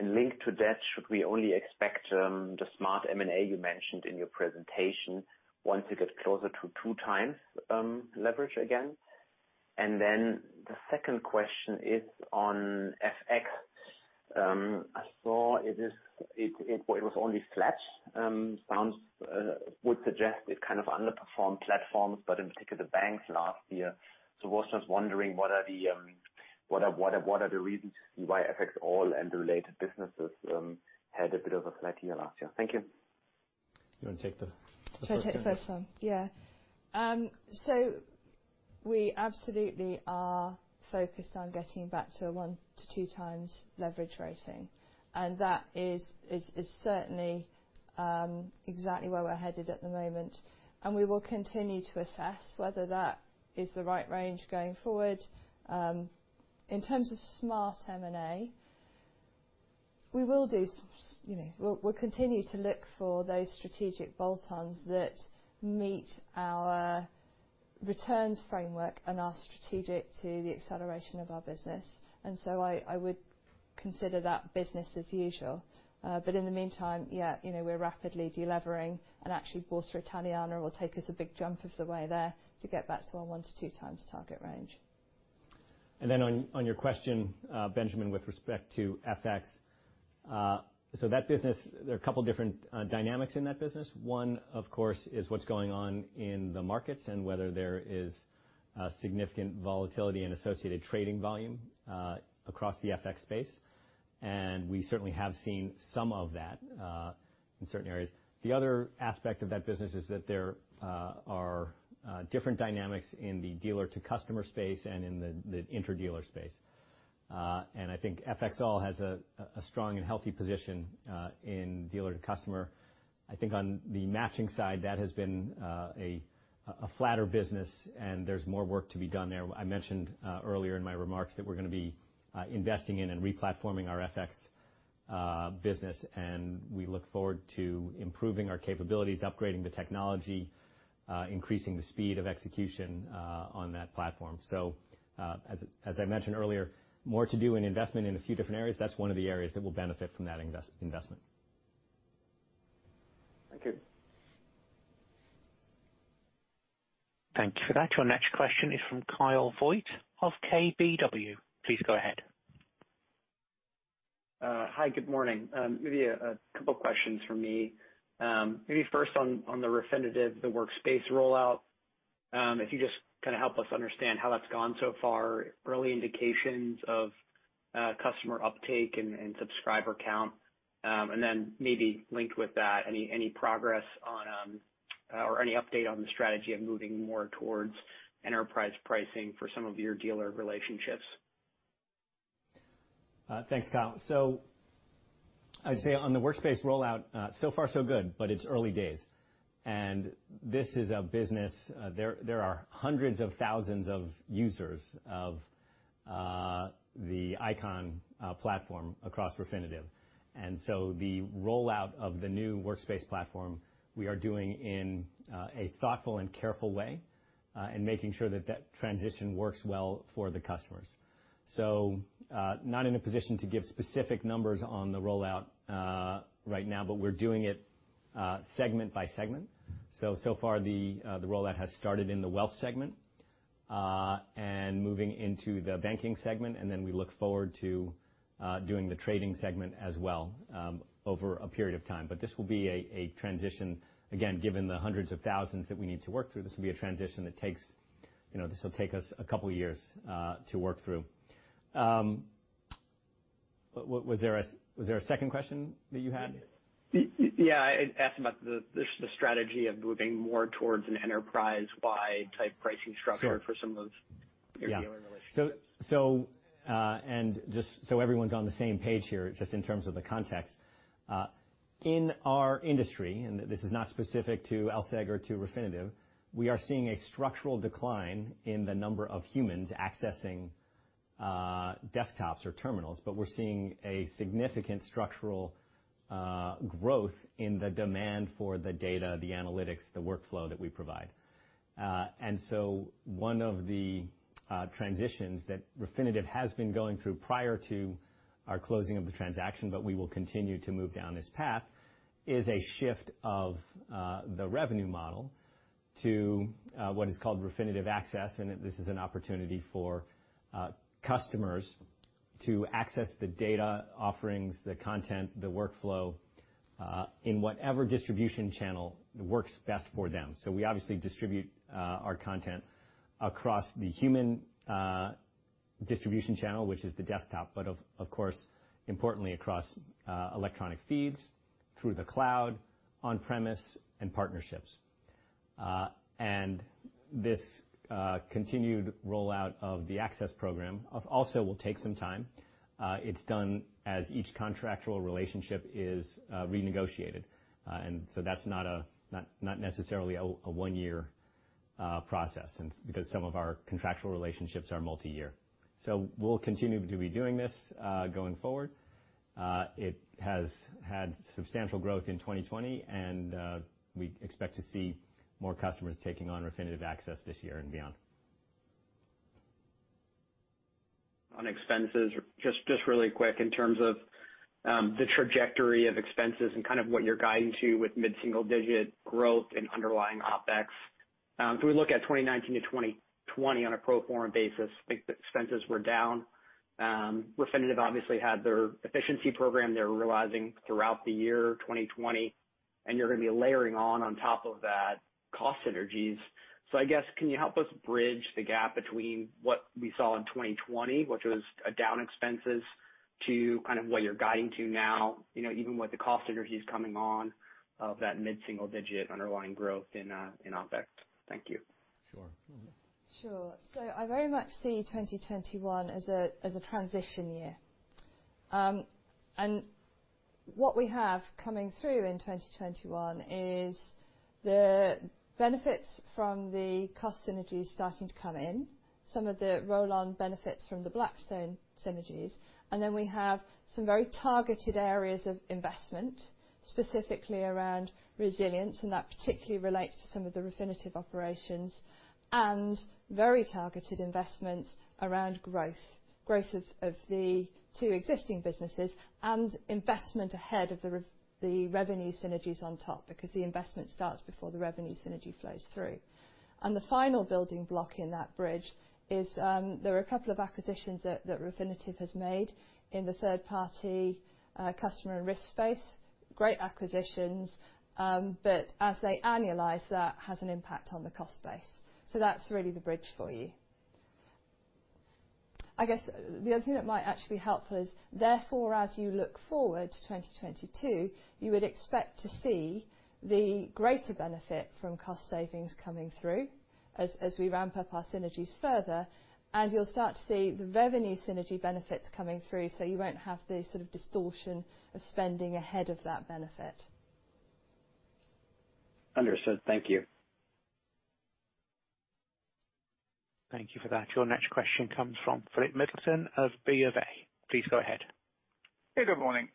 Linked to that, should we only expect the smart M&A you mentioned in your presentation once you get closer to 2x leverage again? The second question is on FX. I saw it was only flat. Would suggest it kind of underperformed platforms, but in particular banks last year. I was just wondering, what are the reasons why FXall and the related businesses had a bit of a flat year last year? Thank you. You want to take the first one? Should I take the first one? Yeah. We absolutely are focused on getting back to a one to two times leverage rating, and that is certainly exactly where we're headed at the moment, and we will continue to assess whether that is the right range going forward. In terms of smart M&A, we'll continue to look for those strategic bolt-ons that meet our returns framework and are strategic to the acceleration of our business. I would consider that business as usual. In the meantime, yeah, we're rapidly de-levering and actually Borsa Italiana will take us a big jump of the way there to get back to our one to two times target range. Then on your question, Benjamin, with respect to FX, there are a couple of different dynamics in that business. One, of course, is what's going on in the markets and whether there is significant volatility and associated trading volume across the FX space, and we certainly have seen some of that in certain areas. The other aspect of that business is that there are different dynamics in the dealer-to-customer space and in the inter-dealer space. I think FXall has a strong and healthy position in dealer to customer. I think on the matching side, that has been a flatter business and there's more work to be done there. I mentioned earlier in my remarks that we're going to be investing in and re-platforming our FX business, and we look forward to improving our capabilities, upgrading the technology, increasing the speed of execution on that platform. As I mentioned earlier, more to do in investment in a few different areas. That's one of the areas that will benefit from that investment. Thank you. Thank you for that. Your next question is from Kyle Voigt of KBW. Please go ahead. Hi, good morning. Maybe a couple questions from me. Maybe first on the Refinitiv, the Workspace rollout. If you just kind of help us understand how that's gone so far, early indications of customer uptake and subscriber count. Maybe linked with that, any progress on or any update on the strategy of moving more towards enterprise pricing for some of your dealer relationships? Thanks, Kyle. I'd say on the Workspace rollout, so far so good, it's early days. There are hundreds of thousands of users of the Eikon platform across Refinitiv. The rollout of the new Workspace platform we are doing in a thoughtful and careful way, and making sure that that transition works well for the customers. Not in a position to give specific numbers on the rollout right now, but we're doing it segment by segment. So far, the rollout has started in the wealth segment, and moving into the banking segment, and then we look forward to doing the trading segment as well over a period of time. This will be a transition, again, given the hundreds of thousands that we need to work through, this will be a transition that takes us a couple of years to work through. Was there a second question that you had? Yeah. I asked about the strategy of moving more towards an enterprise-wide type pricing structure. Sure For some of those- Yeah Dealer relationships. Just so everyone's on the same page here, just in terms of the context. In our industry, and this is not specific to LSEG or to Refinitiv, we are seeing a structural decline in the number of humans accessing desktops or terminals, but we are seeing a significant structural growth in the demand for the data, the analytics, the workflow that we provide. One of the transitions that Refinitiv has been going through prior to our closing of the transaction, but we will continue to move down this path, is a shift of the revenue model to what is called Refinitiv Access. This is an opportunity for customers to access the data offerings, the content, the workflow, in whatever distribution channel works best for them. We obviously distribute our content across the human distribution channel, which is the desktop, but of course, importantly, across electronic feeds, through the cloud, on-premise, and partnerships. This continued rollout of the access program also will take some time. It's done as each contractual relationship is renegotiated. That's not necessarily a one-year process, because some of our contractual relationships are multi-year. We'll continue to be doing this going forward. It has had substantial growth in 2020, and we expect to see more customers taking on Refinitiv Access this year and beyond. On expenses, just really quick in terms of the trajectory of expenses and kind of what you're guiding to with mid-single-digit growth and underlying OpEx. If we look at 2019 to 2020 on a pro forma basis, I think that expenses were down. Refinitiv obviously had their efficiency program they were realizing throughout the year 2020, and you're going to be layering on top of that, cost synergies. I guess, can you help us bridge the gap between what we saw in 2020, which was a down expenses, to kind of what you're guiding to now, even with the cost synergies coming on of that mid-single-digit underlying growth in OpEx? Thank you. Sure. Mm-hmm. Sure. I very much see 2021 as a transition year. What we have coming through in 2021 is the benefits from the cost synergies starting to come in, some of the roll-on benefits from the Blackstone synergies, and then we have some very targeted areas of investment, specifically around resilience, and that particularly relates to some of the Refinitiv operations, and very targeted investments around growth. Growth of the two existing businesses, and investment ahead of the revenue synergies on top, because the investment starts before the revenue synergy flows through. The final building block in that bridge is, there are a couple of acquisitions that Refinitiv has made in the third-party customer risk space. Great acquisitions, but as they annualize, that has an impact on the cost base. That's really the bridge for you. I guess the other thing that might actually be helpful is, therefore, as you look forward to 2022, you would expect to see the greater benefit from cost savings coming through as we ramp up our synergies further, and you'll start to see the revenue synergy benefits coming through, so you won't have the sort of distortion of spending ahead of that benefit. Understood. Thank you. Thank you for that. Your next question comes from Philip Middleton of BofA. Please go ahead. Hey, good morning.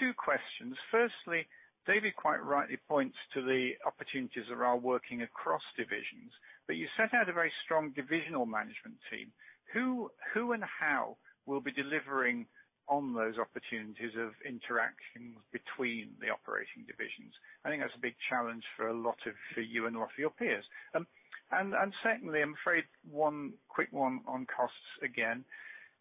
Two questions. Firstly, David quite rightly points to the opportunities around working across divisions, you set out a very strong divisional management team. Who and how will be delivering on those opportunities of interactions between the operating divisions? I think that's a big challenge for you and a lot of your peers. Secondly, I'm afraid one quick one on costs again.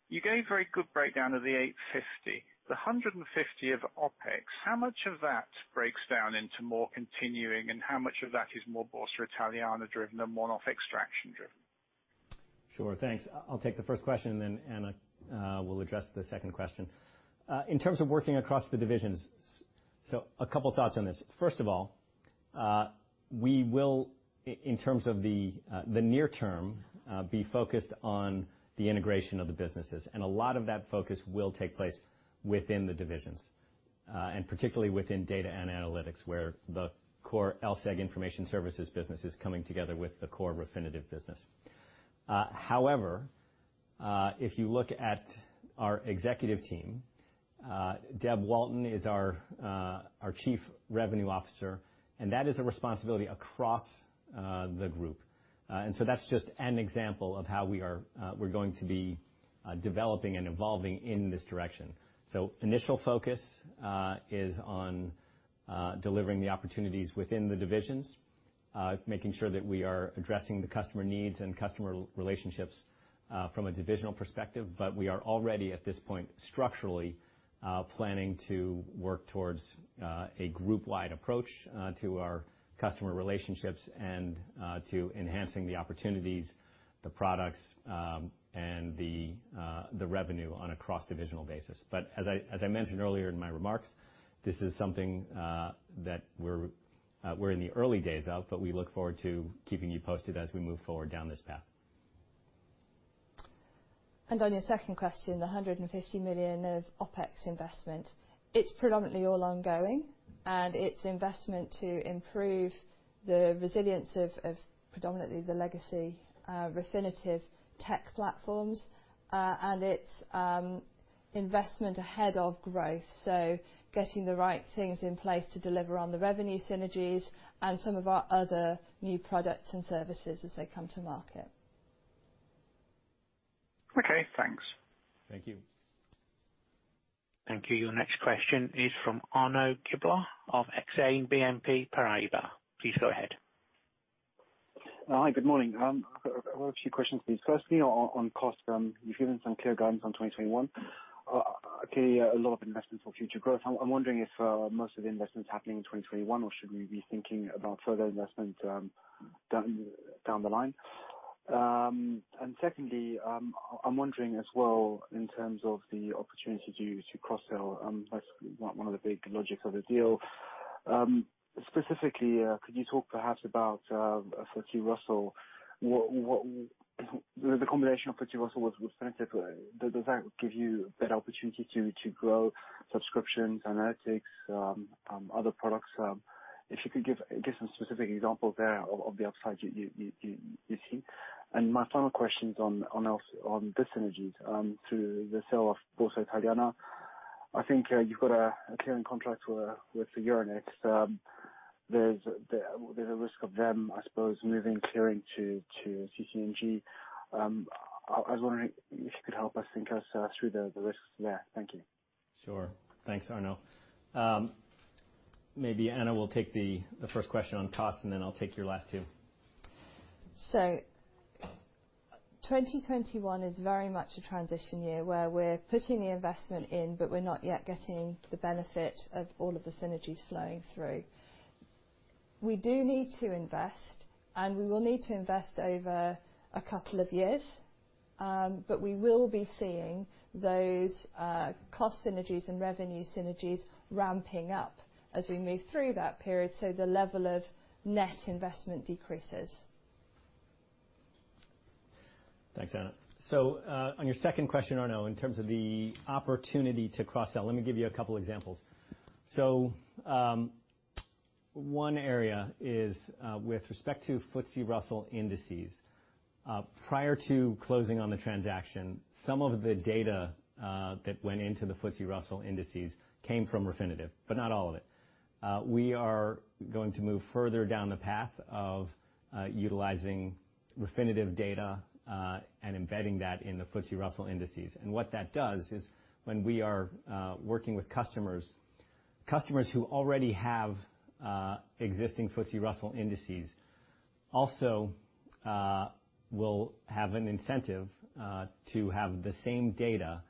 You gave a very good breakdown of the 850 million. The 150 million of OpEx, how much of that breaks down into more continuing, and how much of that is more Borsa Italiana driven than one-off extraction driven? Sure. Thanks. I'll take the first question, then Anna will address the second question. In terms of working across the divisions, a couple thoughts on this. First of all, we will, in terms of the near term, be focused on the integration of the businesses. A lot of that focus will take place within the divisions. Particularly within Data & Analytics, where the core LSEG Information Services business is coming together with the core Refinitiv business. However, if you look at our executive team, Debra Walton is our Chief Revenue Officer, and that is a responsibility across the group. That's just an example of how we're going to be developing and evolving in this direction. Initial focus is on delivering the opportunities within the divisions, making sure that we are addressing the customer needs and customer relationships from a divisional perspective, we are already at this point structurally planning to work towards a group-wide approach to our customer relationships and to enhancing the opportunities, the products, and the revenue on a cross-divisional basis. As I mentioned earlier in my remarks, this is something that we're in the early days of, we look forward to keeping you posted as we move forward down this path. On your second question, the 150 million of OpEx investment, it's predominantly all ongoing. It's investment to improve the resilience of predominantly the legacy Refinitiv tech platforms. It's investment ahead of growth. Getting the right things in place to deliver on the revenue synergies and some of our other new products and services as they come to market. Okay, thanks. Thank you. Thank you. Your next question is from Arnaud Giblat of Exane BNP Paribas. Please go ahead. Hi, good morning. I've got a few questions, please. Firstly, on cost, you've given some clear guidance on 2021. I see a lot of investment for future growth. I'm wondering if most of the investment's happening in 2021, or should we be thinking about further investment down the line? Secondly, I'm wondering as well in terms of the opportunity to cross-sell, that's one of the big logics of the deal. Specifically, could you talk perhaps about FTSE Russell? The combination of FTSE Russell with Refinitiv, does that give you a better opportunity to grow subscriptions, analytics, other products? If you could give some specific examples there of the upside you see. My final question is on the synergies through the sale of Borsa Italiana. I think you've got a clearing contract with Euronext. There's a risk of them, I suppose, moving clearing to CC&G. I was wondering if you could help us think through the risks there. Thank you. Sure. Thanks, Arnaud. Maybe Anna will take the first question on cost, and then I'll take your last two. 2021 is very much a transition year where we're putting the investment in, but we're not yet getting the benefit of all of the synergies flowing through. We do need to invest, and we will need to invest over a couple of years. We will be seeing those cost synergies and revenue synergies ramping up as we move through that period, so the level of net investment decreases. Thanks, Anna. On your second question, Arnaud, in terms of the opportunity to cross-sell, let me give you a couple examples. One area is with respect to FTSE Russell indices. Prior to closing on the transaction, some of the data that went into the FTSE Russell indices came from Refinitiv, but not all of it. We are going to move further down the path of utilizing Refinitiv data, and embedding that in the FTSE Russell indices. What that does is when we are working with customers who already have existing FTSE Russell indices also will have an incentive to have the same data,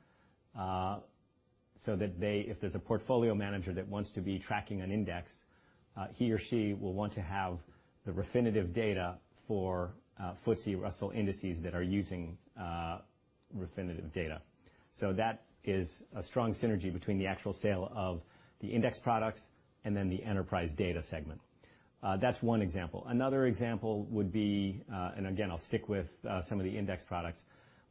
so that if there's a portfolio manager that wants to be tracking an index, he or she will want to have the Refinitiv data for FTSE Russell indices that are using Refinitiv data. That is a strong synergy between the actual sale of the index products and then the enterprise data segment. That's one example. Another example would be, and again, I'll stick with some of the index products.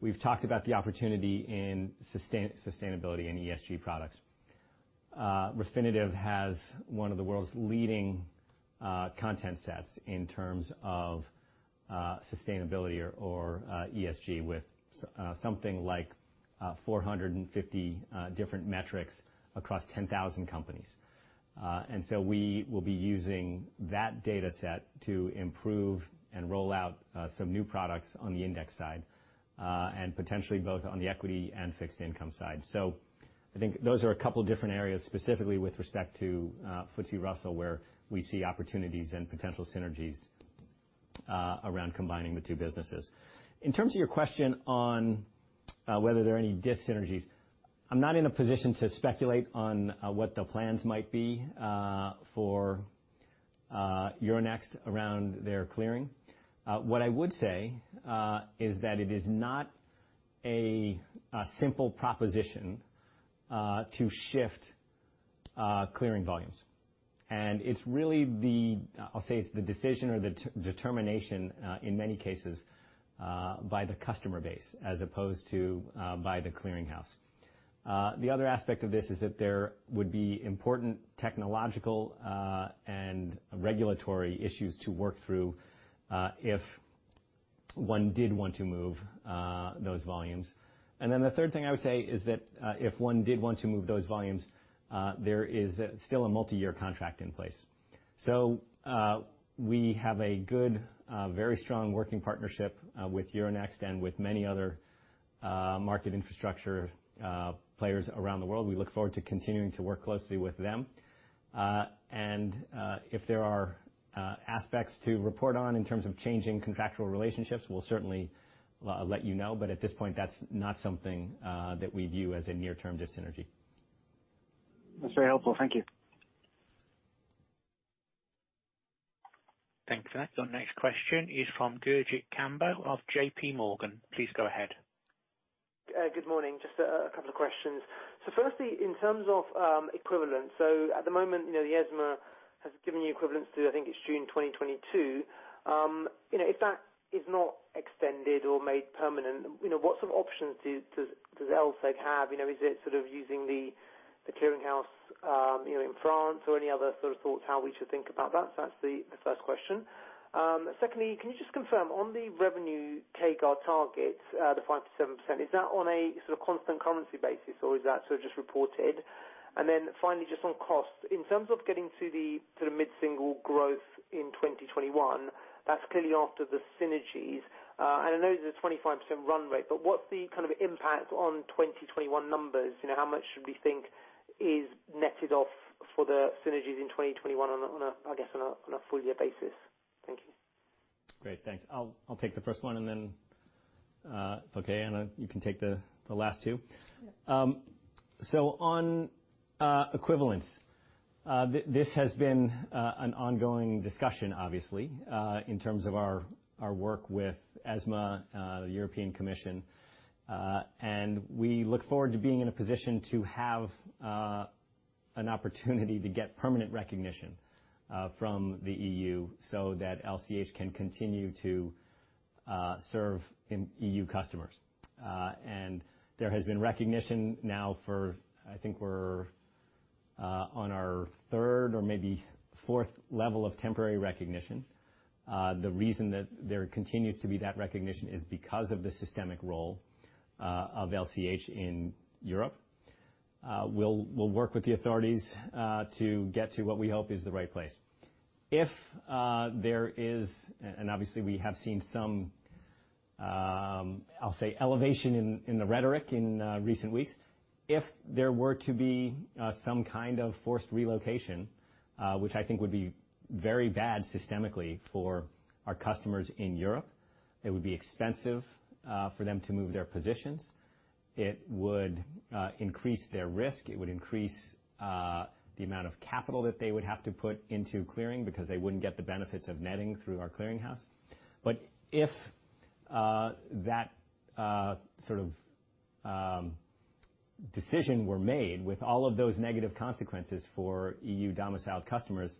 We've talked about the opportunity in sustainability and ESG products. Refinitiv has one of the world's leading content sets in terms of sustainability or ESG with something like 450 different metrics across 10,000 companies. We will be using that data set to improve and roll out some new products on the index side, and potentially both on the equity and fixed income side. I think those are a couple different areas, specifically with respect to FTSE Russell, where we see opportunities and potential synergies around combining the two businesses. In terms of your question on whether there are any dis-synergies, I'm not in a position to speculate on what the plans might be for Euronext around their clearing. What I would say is that it is not a simple proposition to shift clearing volumes. It's really the, I'll say it's the decision or the determination, in many cases, by the customer base as opposed to by the clearing house. The other aspect of this is that there would be important technological and regulatory issues to work through if one did want to move those volumes. The third thing I would say is if one did want to move those volumes, there is still a multi-year contract in place. We have a good, very strong working partnership with Euronext and with many other market infrastructure players around the world. We look forward to continuing to work closely with them. If there are aspects to report on in terms of changing contractual relationships, we'll certainly let you know. At this point, that's not something that we view as a near-term dis-synergy. That's very helpful. Thank you. Thanks for that. Your next question is from Gurjit Kambo of JPMorgan. Please go ahead. Good morning. Just a couple of questions. Firstly, in terms of equivalence, at the moment, ESMA has given you equivalence to, I think it's June 2022. If that is not extended or made permanent, what sort of options does LSEG have? Is it sort of using the clearinghouse in France or any other sort of thoughts how we should think about that? That's the first question. Secondly, can you just confirm, on the revenue CAGR targets, the 5%-7%, is that on a sort of constant currency basis or is that sort of just reported? Finally, just on cost. In terms of getting to the mid-single growth in 2021, that's clearly after the synergies. I know there's a 25% run rate, but what's the kind of impact on 2021 numbers? How much should we think is netted off for the synergies in 2021 on a full-year basis? Thank you. Great. Thanks. I'll take the first one and then if okay, Anna, you can take the last two. Yeah. On equivalence. This has been an ongoing discussion, obviously, in terms of our work with ESMA, the European Commission. We look forward to being in a position to have an opportunity to get permanent recognition from the EU so that LCH can continue to serve EU customers. There has been recognition now for I think we're on our third or maybe fourth level of temporary recognition. The reason that there continues to be that recognition is because of the systemic role of LCH in Europe. We'll work with the authorities, to get to what we hope is the right place. If there is, and obviously we have seen some, I'll say, elevation in the rhetoric in recent weeks. If there were to be some kind of forced relocation, which I think would be very bad systemically for our customers in Europe, it would be expensive for them to move their positions. It would increase their risk. It would increase the amount of capital that they would have to put into clearing because they wouldn't get the benefits of netting through our clearinghouse. If that sort of decision were made with all of those negative consequences for EU-domiciled customers,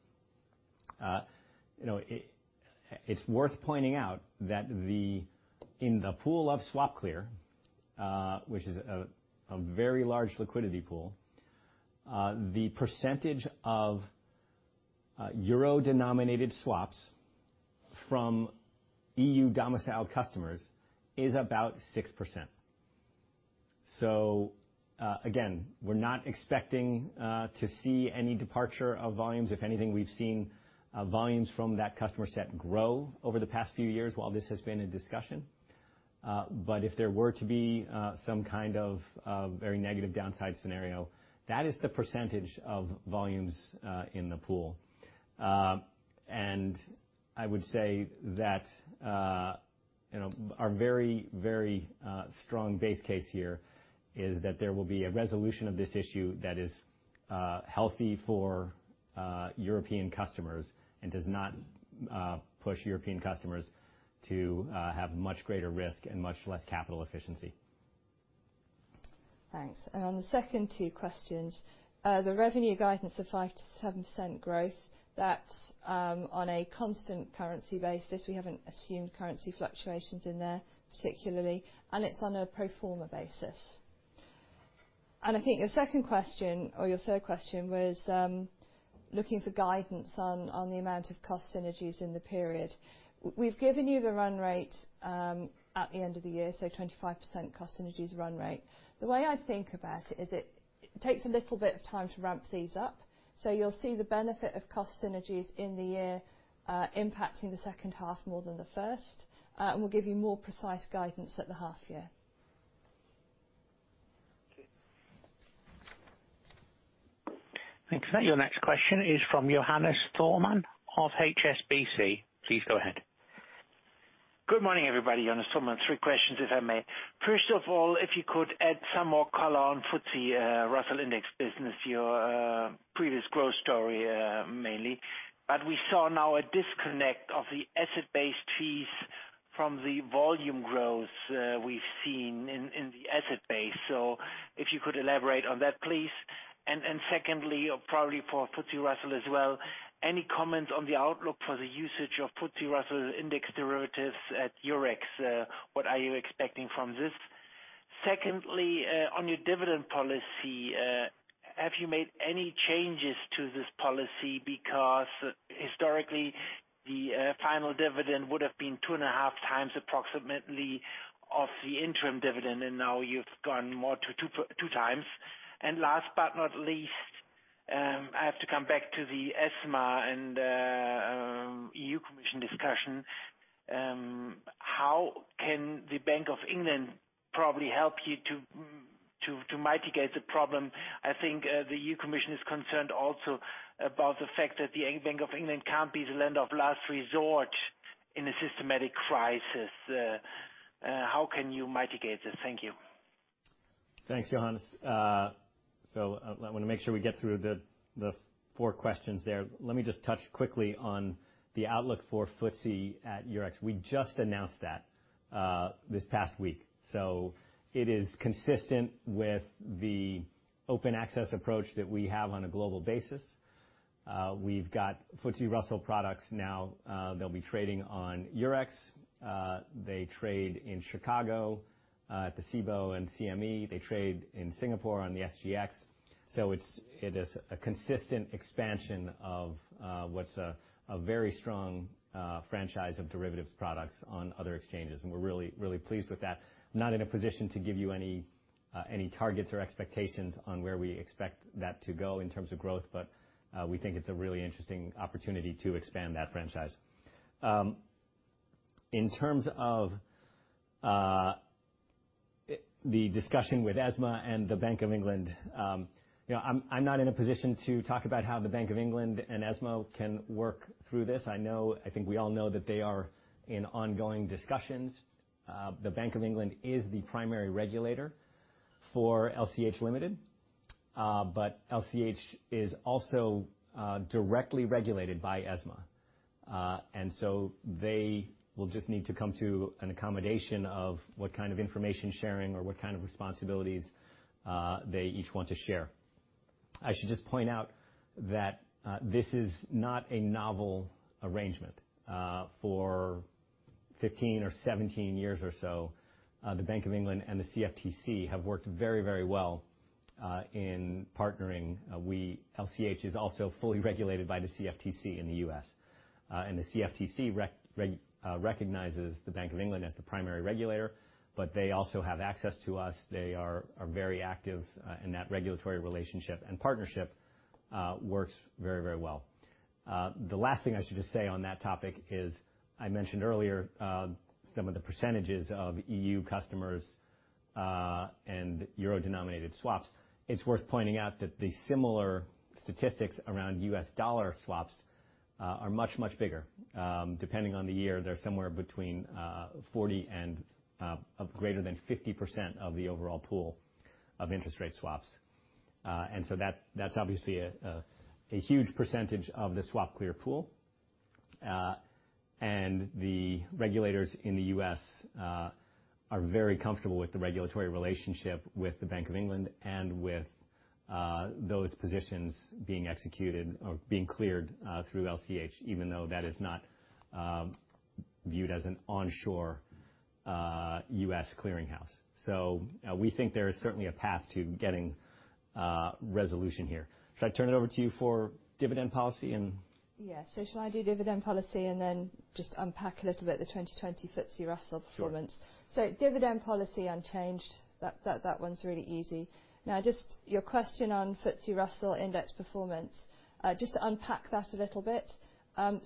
it's worth pointing out that in the pool of SwapClear, which is a very large liquidity pool, the percentage of euro-denominated swaps from EU-domiciled customers is about 6%. Again, we're not expecting to see any departure of volumes. If anything, we've seen volumes from that customer set grow over the past few years while this has been a discussion. If there were to be some kind of very negative downside scenario, that is the percentage of volumes in the pool. I would say that our very strong base case here is that there will be a resolution of this issue that is healthy for European customers and does not push European customers to have much greater risk and much less capital efficiency. Thanks. On the second two questions, the revenue guidance of 5%-7% growth, that's on a constant currency basis. We haven't assumed currency fluctuations in there particularly, it's on a pro forma basis. I think your second question, or your third question was looking for guidance on the amount of cost synergies in the period. We've given you the run rate, at the end of the year, 25% cost synergies run rate. The way I think about it is it takes a little bit of time to ramp these up. You'll see the benefit of cost synergies in the year, impacting the second half more than the first. We'll give you more precise guidance at the half year. Okay. Thanks for that. Your next question is from Johannes Thormann of HSBC. Please go ahead. Good morning, everybody. Johannes Thormann. Three questions, if I may. First of all, if you could add some more color on FTSE Russell Index business, your previous growth story mainly. We saw now a disconnect of the asset-based fees from the volume growth we've seen in the asset base. If you could elaborate on that, please. Secondly, probably for FTSE Russell as well, any comments on the outlook for the usage of FTSE Russell Index derivatives at Eurex? What are you expecting from this? Secondly, on your dividend policy, have you made any changes to this policy? Historically, the final dividend would have been 2.5x Approximately of the interim dividend, and now you've gone more to 2x. Last but not least, I have to come back to the ESMA and EU Commission discussion. How can the Bank of England probably help you to mitigate the problem? I think the EU Commission is concerned also about the fact that the Bank of England can't be the lender of last resort in a systematic crisis. How can you mitigate this? Thank you. Thanks, Johannes. I want to make sure we get through the four questions there. Let me just touch quickly on the outlook for FTSE at Eurex. We just announced that this past week, it is consistent with the open access approach that we have on a global basis. We've got FTSE Russell products now. They'll be trading on Eurex. They trade in Chicago, at the Cboe and CME. They trade in Singapore on the SGX. It is a consistent expansion of what's a very strong franchise of derivatives products on other exchanges, and we're really pleased with that. Not in a position to give you any targets or expectations on where we expect that to go in terms of growth. We think it's a really interesting opportunity to expand that franchise. In terms of the discussion with ESMA and the Bank of England, I'm not in a position to talk about how the Bank of England and ESMA can work through this. I think we all know that they are in ongoing discussions. LCH is also directly regulated by ESMA. They will just need to come to an accommodation of what kind of information sharing or what kind of responsibilities they each want to share. I should just point out that this is not a novel arrangement. For 15 or 17 years or so, the Bank of England and the CFTC have worked very, very well in partnering. LCH is also fully regulated by the CFTC in the U.S. The CFTC recognizes the Bank of England as the primary regulator, but they also have access to us. They are very active in that regulatory relationship. Partnership works very, very well. The last thing I should just say on that topic is, I mentioned earlier some of the percentages of EU customers and euro-denominated swaps. It's worth pointing out that the similar statistics around U.S. dollar swaps are much, much bigger. Depending on the year, they're somewhere between 40% and greater than 50% of the overall pool of interest rate swaps. That's obviously a huge percentage of the SwapClear pool. The regulators in the U.S. are very comfortable with the regulatory relationship with the Bank of England and with those positions being executed or being cleared through LCH, even though that is not viewed as an onshore U.S. clearing house. We think there is certainly a path to getting resolution here. Should I turn it over to you for dividend policy and? Yeah. Shall I do dividend policy and then just unpack a little bit the 2020 FTSE Russell performance? Sure. Dividend policy unchanged. That one's really easy. Just your question on FTSE Russell Index performance, just to unpack that a little bit.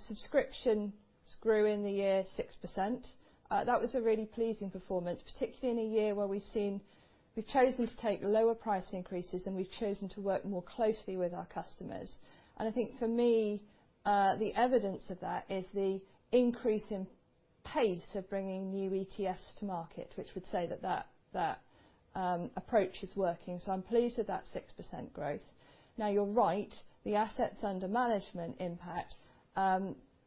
Subscriptions grew in the year 6%. That was a really pleasing performance, particularly in a year where we've chosen to take lower price increases and we've chosen to work more closely with our customers. I think for me, the evidence of that is the increase in pace of bringing new ETFs to market, which would say that that approach is working. I'm pleased with that 6% growth. You're right, the assets under management impact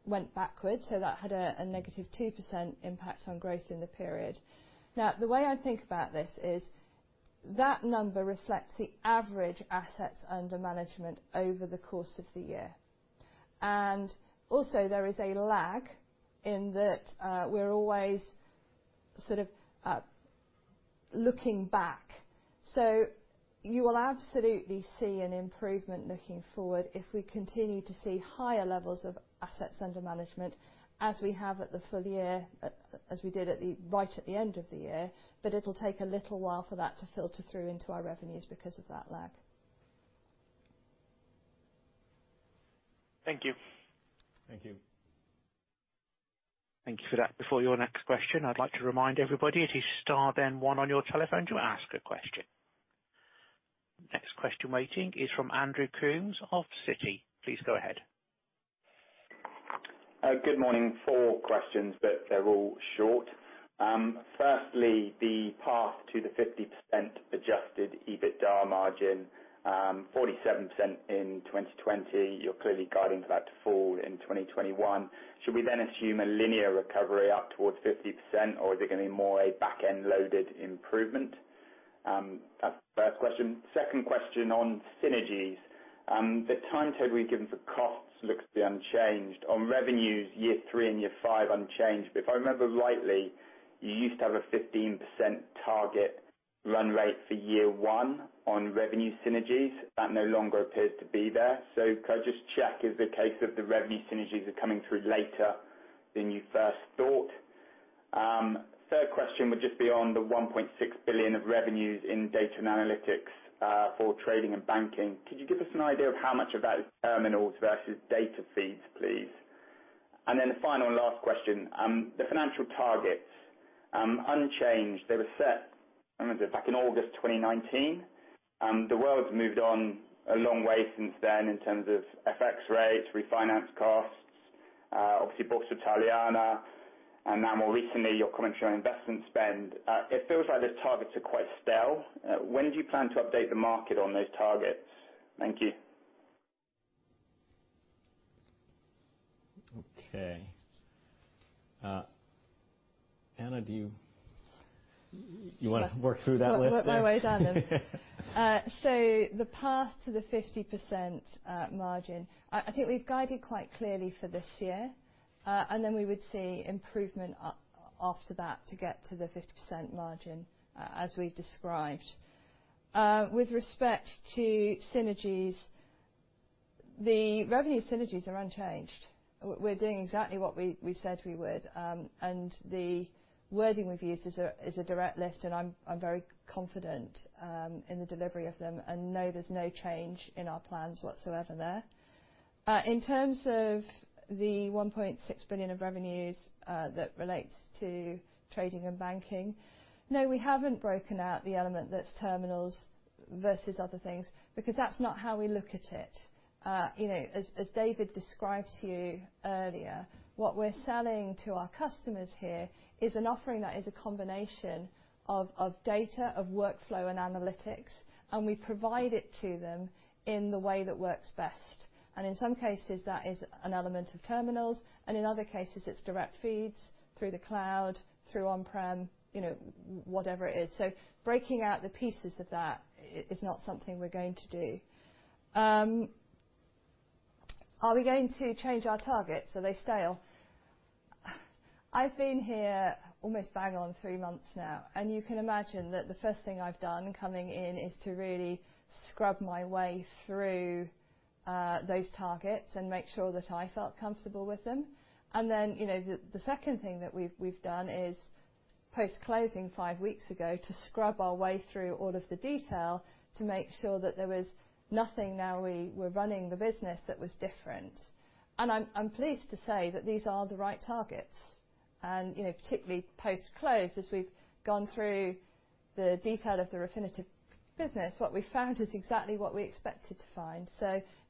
went backwards, so that had a negative 2% impact on growth in the period. The way I think about this is that number reflects the average assets under management over the course of the year. Also, there is a lag in that we're always sort of looking back. You will absolutely see an improvement looking forward if we continue to see higher levels of assets under management as we have at the full year, as we did right at the end of the year. It'll take a little while for that to filter through into our revenues because of that lag. Thank you. Thank you. Thank you for that. Before your next question, I would like to remind everybody, it is star then one on your telephone to ask a question. Next question waiting is from Andrew Coombs of Citi. Please go ahead. Good morning. Four questions, they're all short. Firstly, the path to the 50% adjusted EBITDA margin, 47% in 2020. You're clearly guiding for that to fall in 2021. Should we assume a linear recovery up towards 50%, is it going to be more a back-end-loaded improvement? That's the first question. Second question on synergies. The time period we've given for costs looks to be unchanged. On revenues, year three and year five unchanged. If I remember rightly, you used to have a 15% target run rate for year one on revenue synergies. That no longer appears to be there. Could I just check is the case of the revenue synergies are coming through later than you first thought? Third question would just be on the 1.6 billion of revenues in Data & Analytics for Trading and Banking. Could you give us an idea of how much of that is terminals versus data feeds, please? The final and last question, the financial targets. Unchanged, they were set back in August 2019. The world's moved on a long way since then in terms of FX rates, refinance costs. Obviously, Borsa Italiana, and now more recently, your comments around investment spend. It feels like those targets are quite stale. When do you plan to update the market on those targets? Thank you. Okay. Anna, do you want to work through that list there? Work my way down, then. The path to the 50% margin, I think we've guided quite clearly for this year. We would see improvement after that to get to the 50% margin, as we've described. With respect to synergies, the revenue synergies are unchanged. We're doing exactly what we said we would. The wording we've used is a direct lift, and I'm very confident in the delivery of them and know there's no change in our plans whatsoever there. In terms of the 1.6 billion of revenues that relates to trading and banking, no, we haven't broken out the element that's terminals versus other things, because that's not how we look at it. As David described to you earlier, what we're selling to our customers here is an offering that is a combination of data, of workflow and analytics. We provide it to them in the way that works best. In some cases, that is an element of terminals, and in other cases, it's direct feeds through the cloud, through on-prem, whatever it is. Breaking out the pieces of that is not something we're going to do. Are we going to change our targets? Are they stale? I've been here almost bang on three months now. You can imagine that the first thing I've done coming in is to really scrub my way through those targets and make sure that I felt comfortable with them. The second thing that we've done is, post-closing five weeks ago, to scrub our way through all of the detail to make sure that there was nothing now we're running the business that was different. I'm pleased to say that these are the right targets. Particularly post-close, as we've gone through the detail of the Refinitiv business, what we found is exactly what we expected to find.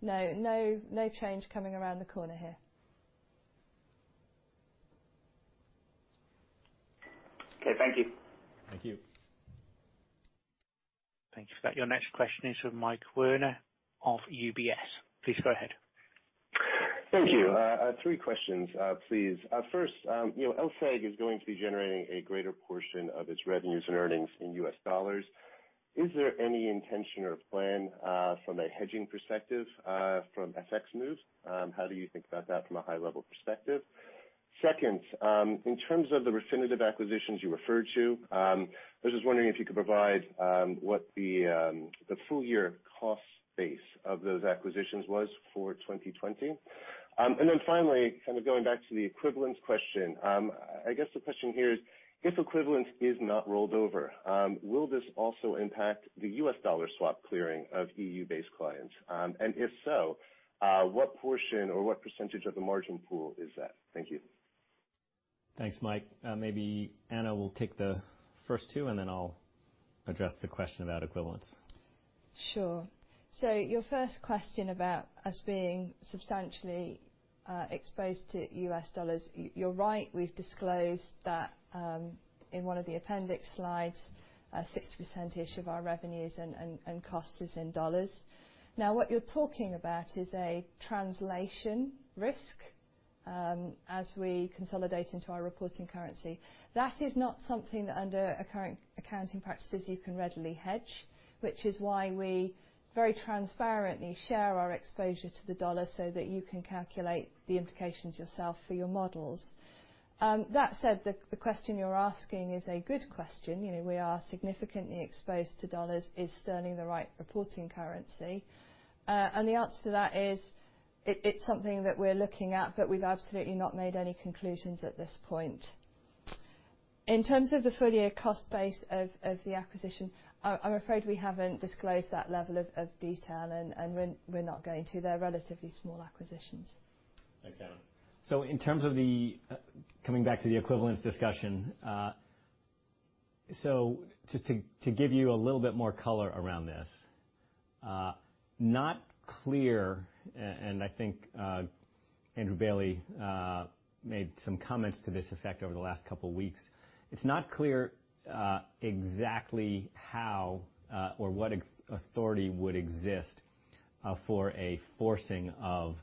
No change coming around the corner here. Okay, thank you. Thank you. Thank you for that. Your next question is from Mike Werner of UBS. Please go ahead. Thank you. Three questions, please. First, LSEG is going to be generating a greater portion of its revenues and earnings in U.S. dollars. Is there any intention or plan, from a hedging perspective, from FX moves? How do you think about that from a high-level perspective? Second, in terms of the Refinitiv acquisitions you referred to, I was just wondering if you could provide what the full-year cost base of those acquisitions was for 2020. Finally, kind of going back to the equivalence question. I guess the question here is, if equivalence is not rolled over, will this also impact the U.S. dollar swap clearing of EU-based clients? If so, what portion or what % of the margin pool is that? Thank you. Thanks, Mike. Maybe Anna will take the first two, and then I'll address the question about equivalence. Sure. Your first question about us being substantially exposed to US dollars, you're right. We've disclosed that in one of the appendix slides, 60%ish of our revenues and cost is in dollars. What you're talking about is a translation risk as we consolidate into our reporting currency. That is not something that under accounting practices you can readily hedge, which is why we very transparently share our exposure to the dollar so that you can calculate the implications yourself for your models. That said, the question you're asking is a good question. We are significantly exposed to dollars. Is Sterling the right reporting currency? The answer to that is, it's something that we're looking at, but we've absolutely not made any conclusions at this point. In terms of the full-year cost base of the acquisition, I'm afraid we haven't disclosed that level of detail, and we're not going to. They're relatively small acquisitions. Thanks, Anna. Coming back to the equivalence discussion. Just to give you a little bit more color around this. Not clear, and I think Andrew Bailey made some comments to this effect over the last couple of weeks. It's not clear exactly how or what authority would exist for a forcing of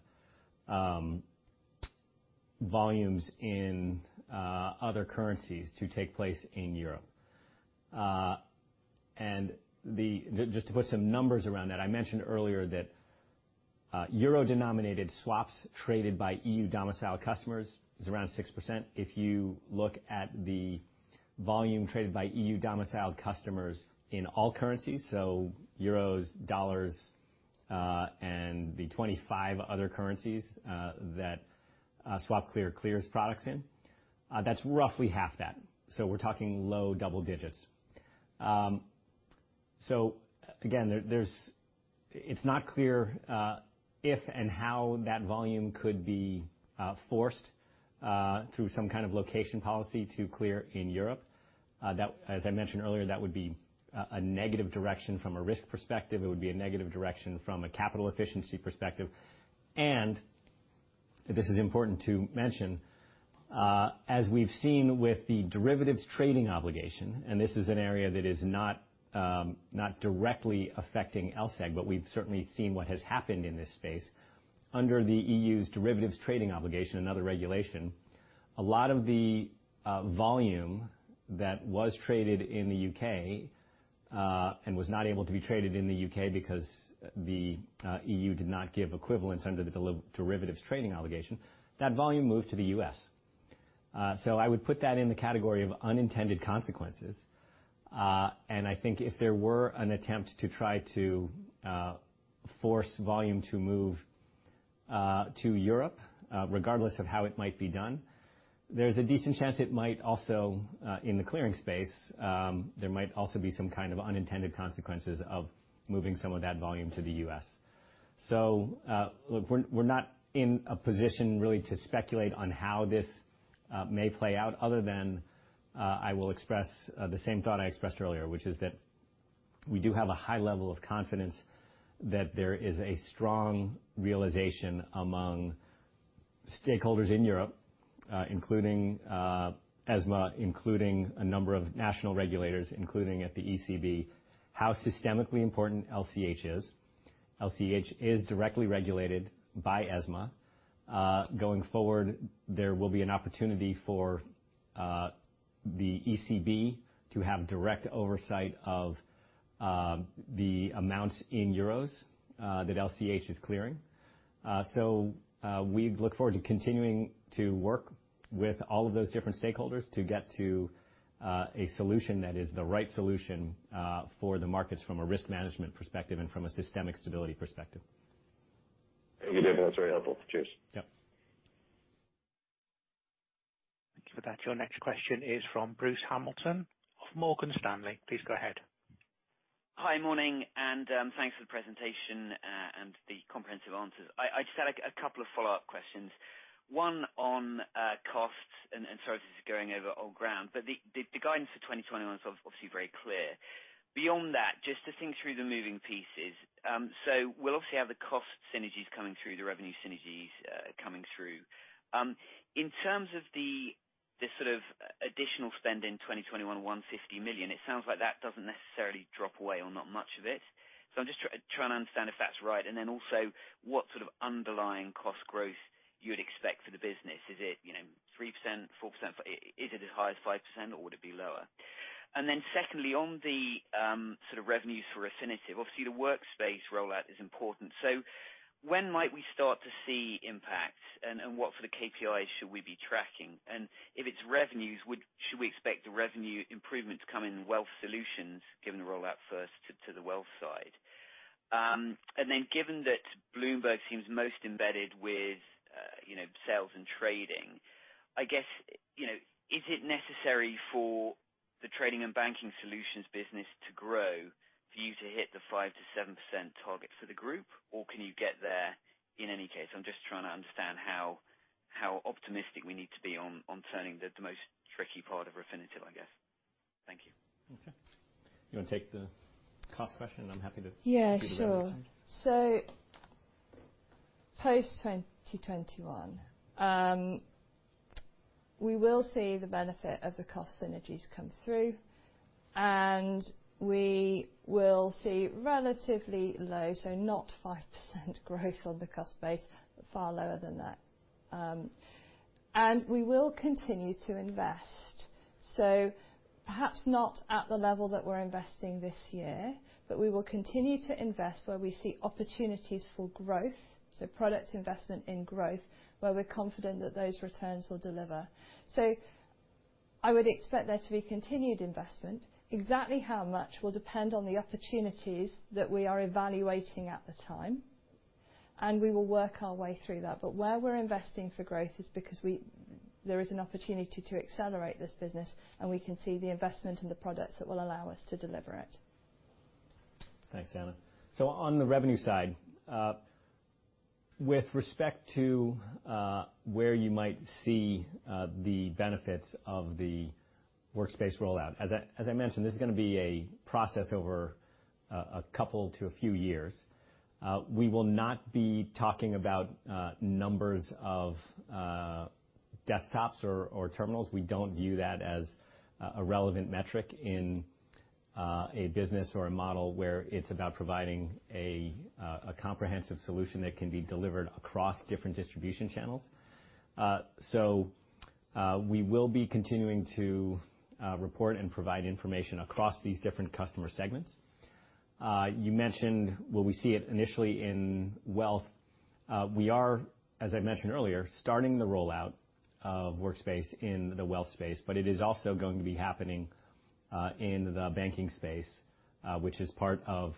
volumes in other currencies to take place in Europe. And just to put some numbers around that, I mentioned earlier that euro-denominated swaps traded by EU-domiciled customers is around 6%. If you look at volume traded by EU-domiciled customers in all currencies, so euros, dollars, and the 25 other currencies that SwapClear clears products in, that's roughly half that. We're talking low double digits. Again, it's not clear if and how that volume could be forced through some kind of location policy to clear in Europe. As I mentioned earlier, that would be a negative direction from a risk perspective, it would be a negative direction from a capital efficiency perspective, and this is important to mention, as we've seen with the Derivatives Trading Obligation, and this is an area that is not directly affecting LSEG, but we've certainly seen what has happened in this space. Under the EU's Derivatives Trading Obligation, another regulation, a lot of the volume that was traded in the U.K., and was not able to be traded in the U.K. because the EU did not give equivalence under the Derivatives Trading Obligation, that volume moved to the U.S. I would put that in the category of unintended consequences. I think if there were an attempt to try to force volume to move to Europe, regardless of how it might be done, there's a decent chance, in the clearing space, there might also be some kind of unintended consequences of moving some of that volume to the U.S. Look, we're not in a position really to speculate on how this may play out other than I will express the same thought I expressed earlier, which is that we do have a high level of confidence that there is a strong realization among stakeholders in Europe, including ESMA, including a number of national regulators, including at the ECB, how systemically important LCH is. LCH is directly regulated by ESMA. Going forward, there will be an opportunity for the ECB to have direct oversight of the amounts in euros that LCH is clearing. We look forward to continuing to work with all of those different stakeholders to get to a solution that is the right solution for the markets from a risk management perspective and from a systemic stability perspective. Thank you, David. That's very helpful. Cheers. Yep. Thank you for that. Your next question is from Bruce Hamilton of Morgan Stanley. Please go ahead. Hi, morning. Thanks for the presentation and the comprehensive answers. I just had a couple of follow-up questions. One on costs. Sorry if this is going over old ground, the guidance for 2021 is obviously very clear. Beyond that, just to think through the moving pieces. We'll obviously have the cost synergies coming through, the revenue synergies coming through. In terms of the additional spend in 2021, 150 million, it sounds like that doesn't necessarily drop away or not much of it. I'm just trying to understand if that's right, also what sort of underlying cost growth you would expect for the business. Is it 3%, 4%? Is it as high as 5%? Would it be lower? Secondly, on the sort of revenues for Refinitiv, obviously, the Workspace rollout is important. When might we start to see impact, and what for the KPIs should we be tracking? If it's revenues, should we expect the revenue improvements come in Wealth Solutions, given the rollout first to the wealth side? Given that Bloomberg seems most embedded with sales and trading, I guess, is it necessary for the Trading & Banking Solutions business to grow for you to hit the 5%-7% target for the group, or can you get there in any case? I'm just trying to understand how optimistic we need to be on turning the most tricky part of Refinitiv, I guess. Thank you. Okay. You want to take the cost question? Yeah, sure. Do the revenue side. Post-2021, we will see the benefit of the cost synergies come through, and we will see relatively low, so not 5% growth on the cost base, far lower than that. We will continue to invest. Perhaps not at the level that we're investing this year, but we will continue to invest where we see opportunities for growth, so product investment in growth, where we're confident that those returns will deliver. I would expect there to be continued investment. Exactly how much will depend on the opportunities that we are evaluating at the time, and we will work our way through that. Where we're investing for growth is because there is an opportunity to accelerate this business, and we can see the investment in the products that will allow us to deliver it. Thanks, Anna. On the revenue side, with respect to where you might see the benefits of the Workspace rollout, as I mentioned, this is going to be a process over a couple to a few years. We will not be talking about numbers of desktops or terminals. We don't view that as a relevant metric in a business or a model where it's about providing a comprehensive solution that can be delivered across different distribution channels. We will be continuing to report and provide information across these different customer segments. You mentioned will we see it initially in wealth. We are, as I mentioned earlier, starting the rollout of Workspace in the Wealth space, but it is also going to be happening in the Banking space, which is part of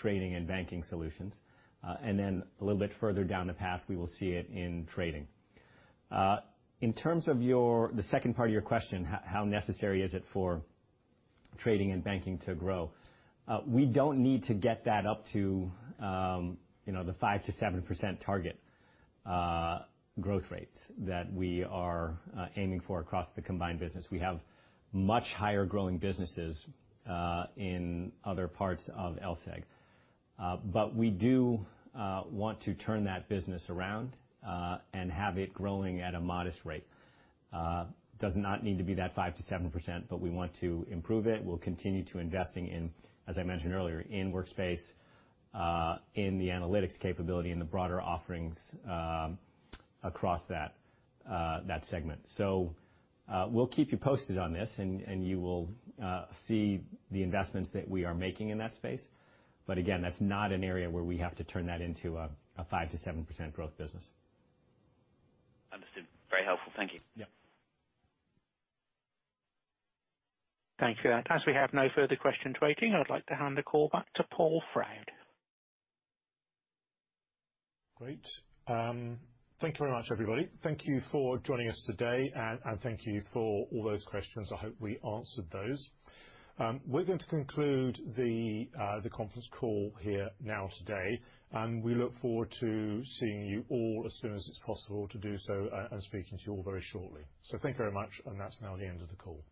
Trading & Banking Solutions. A little bit further down the path, we will see it in Trading. In terms of the second part of your question, how necessary is it for Trading and Banking to grow? We don't need to get that up to the 5%-7% target growth rates that we are aiming for across the combined business. We have much higher growing businesses in other parts of LSEG. We do want to turn that business around and have it growing at a modest rate. Does not need to be that 5%-7%, we want to improve it. We'll continue to investing in, as I mentioned earlier, in Workspace, in the analytics capability, and the broader offerings across that segment. We'll keep you posted on this, and you will see the investments that we are making in that space. Again, that's not an area where we have to turn that into a 5%-7% growth business. Understood. Very helpful. Thank you. Yeah. Thank you. As we have no further questions waiting, I would like to hand the call back to Paul Froud. Great. Thank you very much, everybody. Thank you for joining us today, and thank you for all those questions. I hope we answered those. We're going to conclude the conference call here now today, and we look forward to seeing you all as soon as it's possible to do so, and speaking to you all very shortly. Thank you very much, and that's now the end of the call.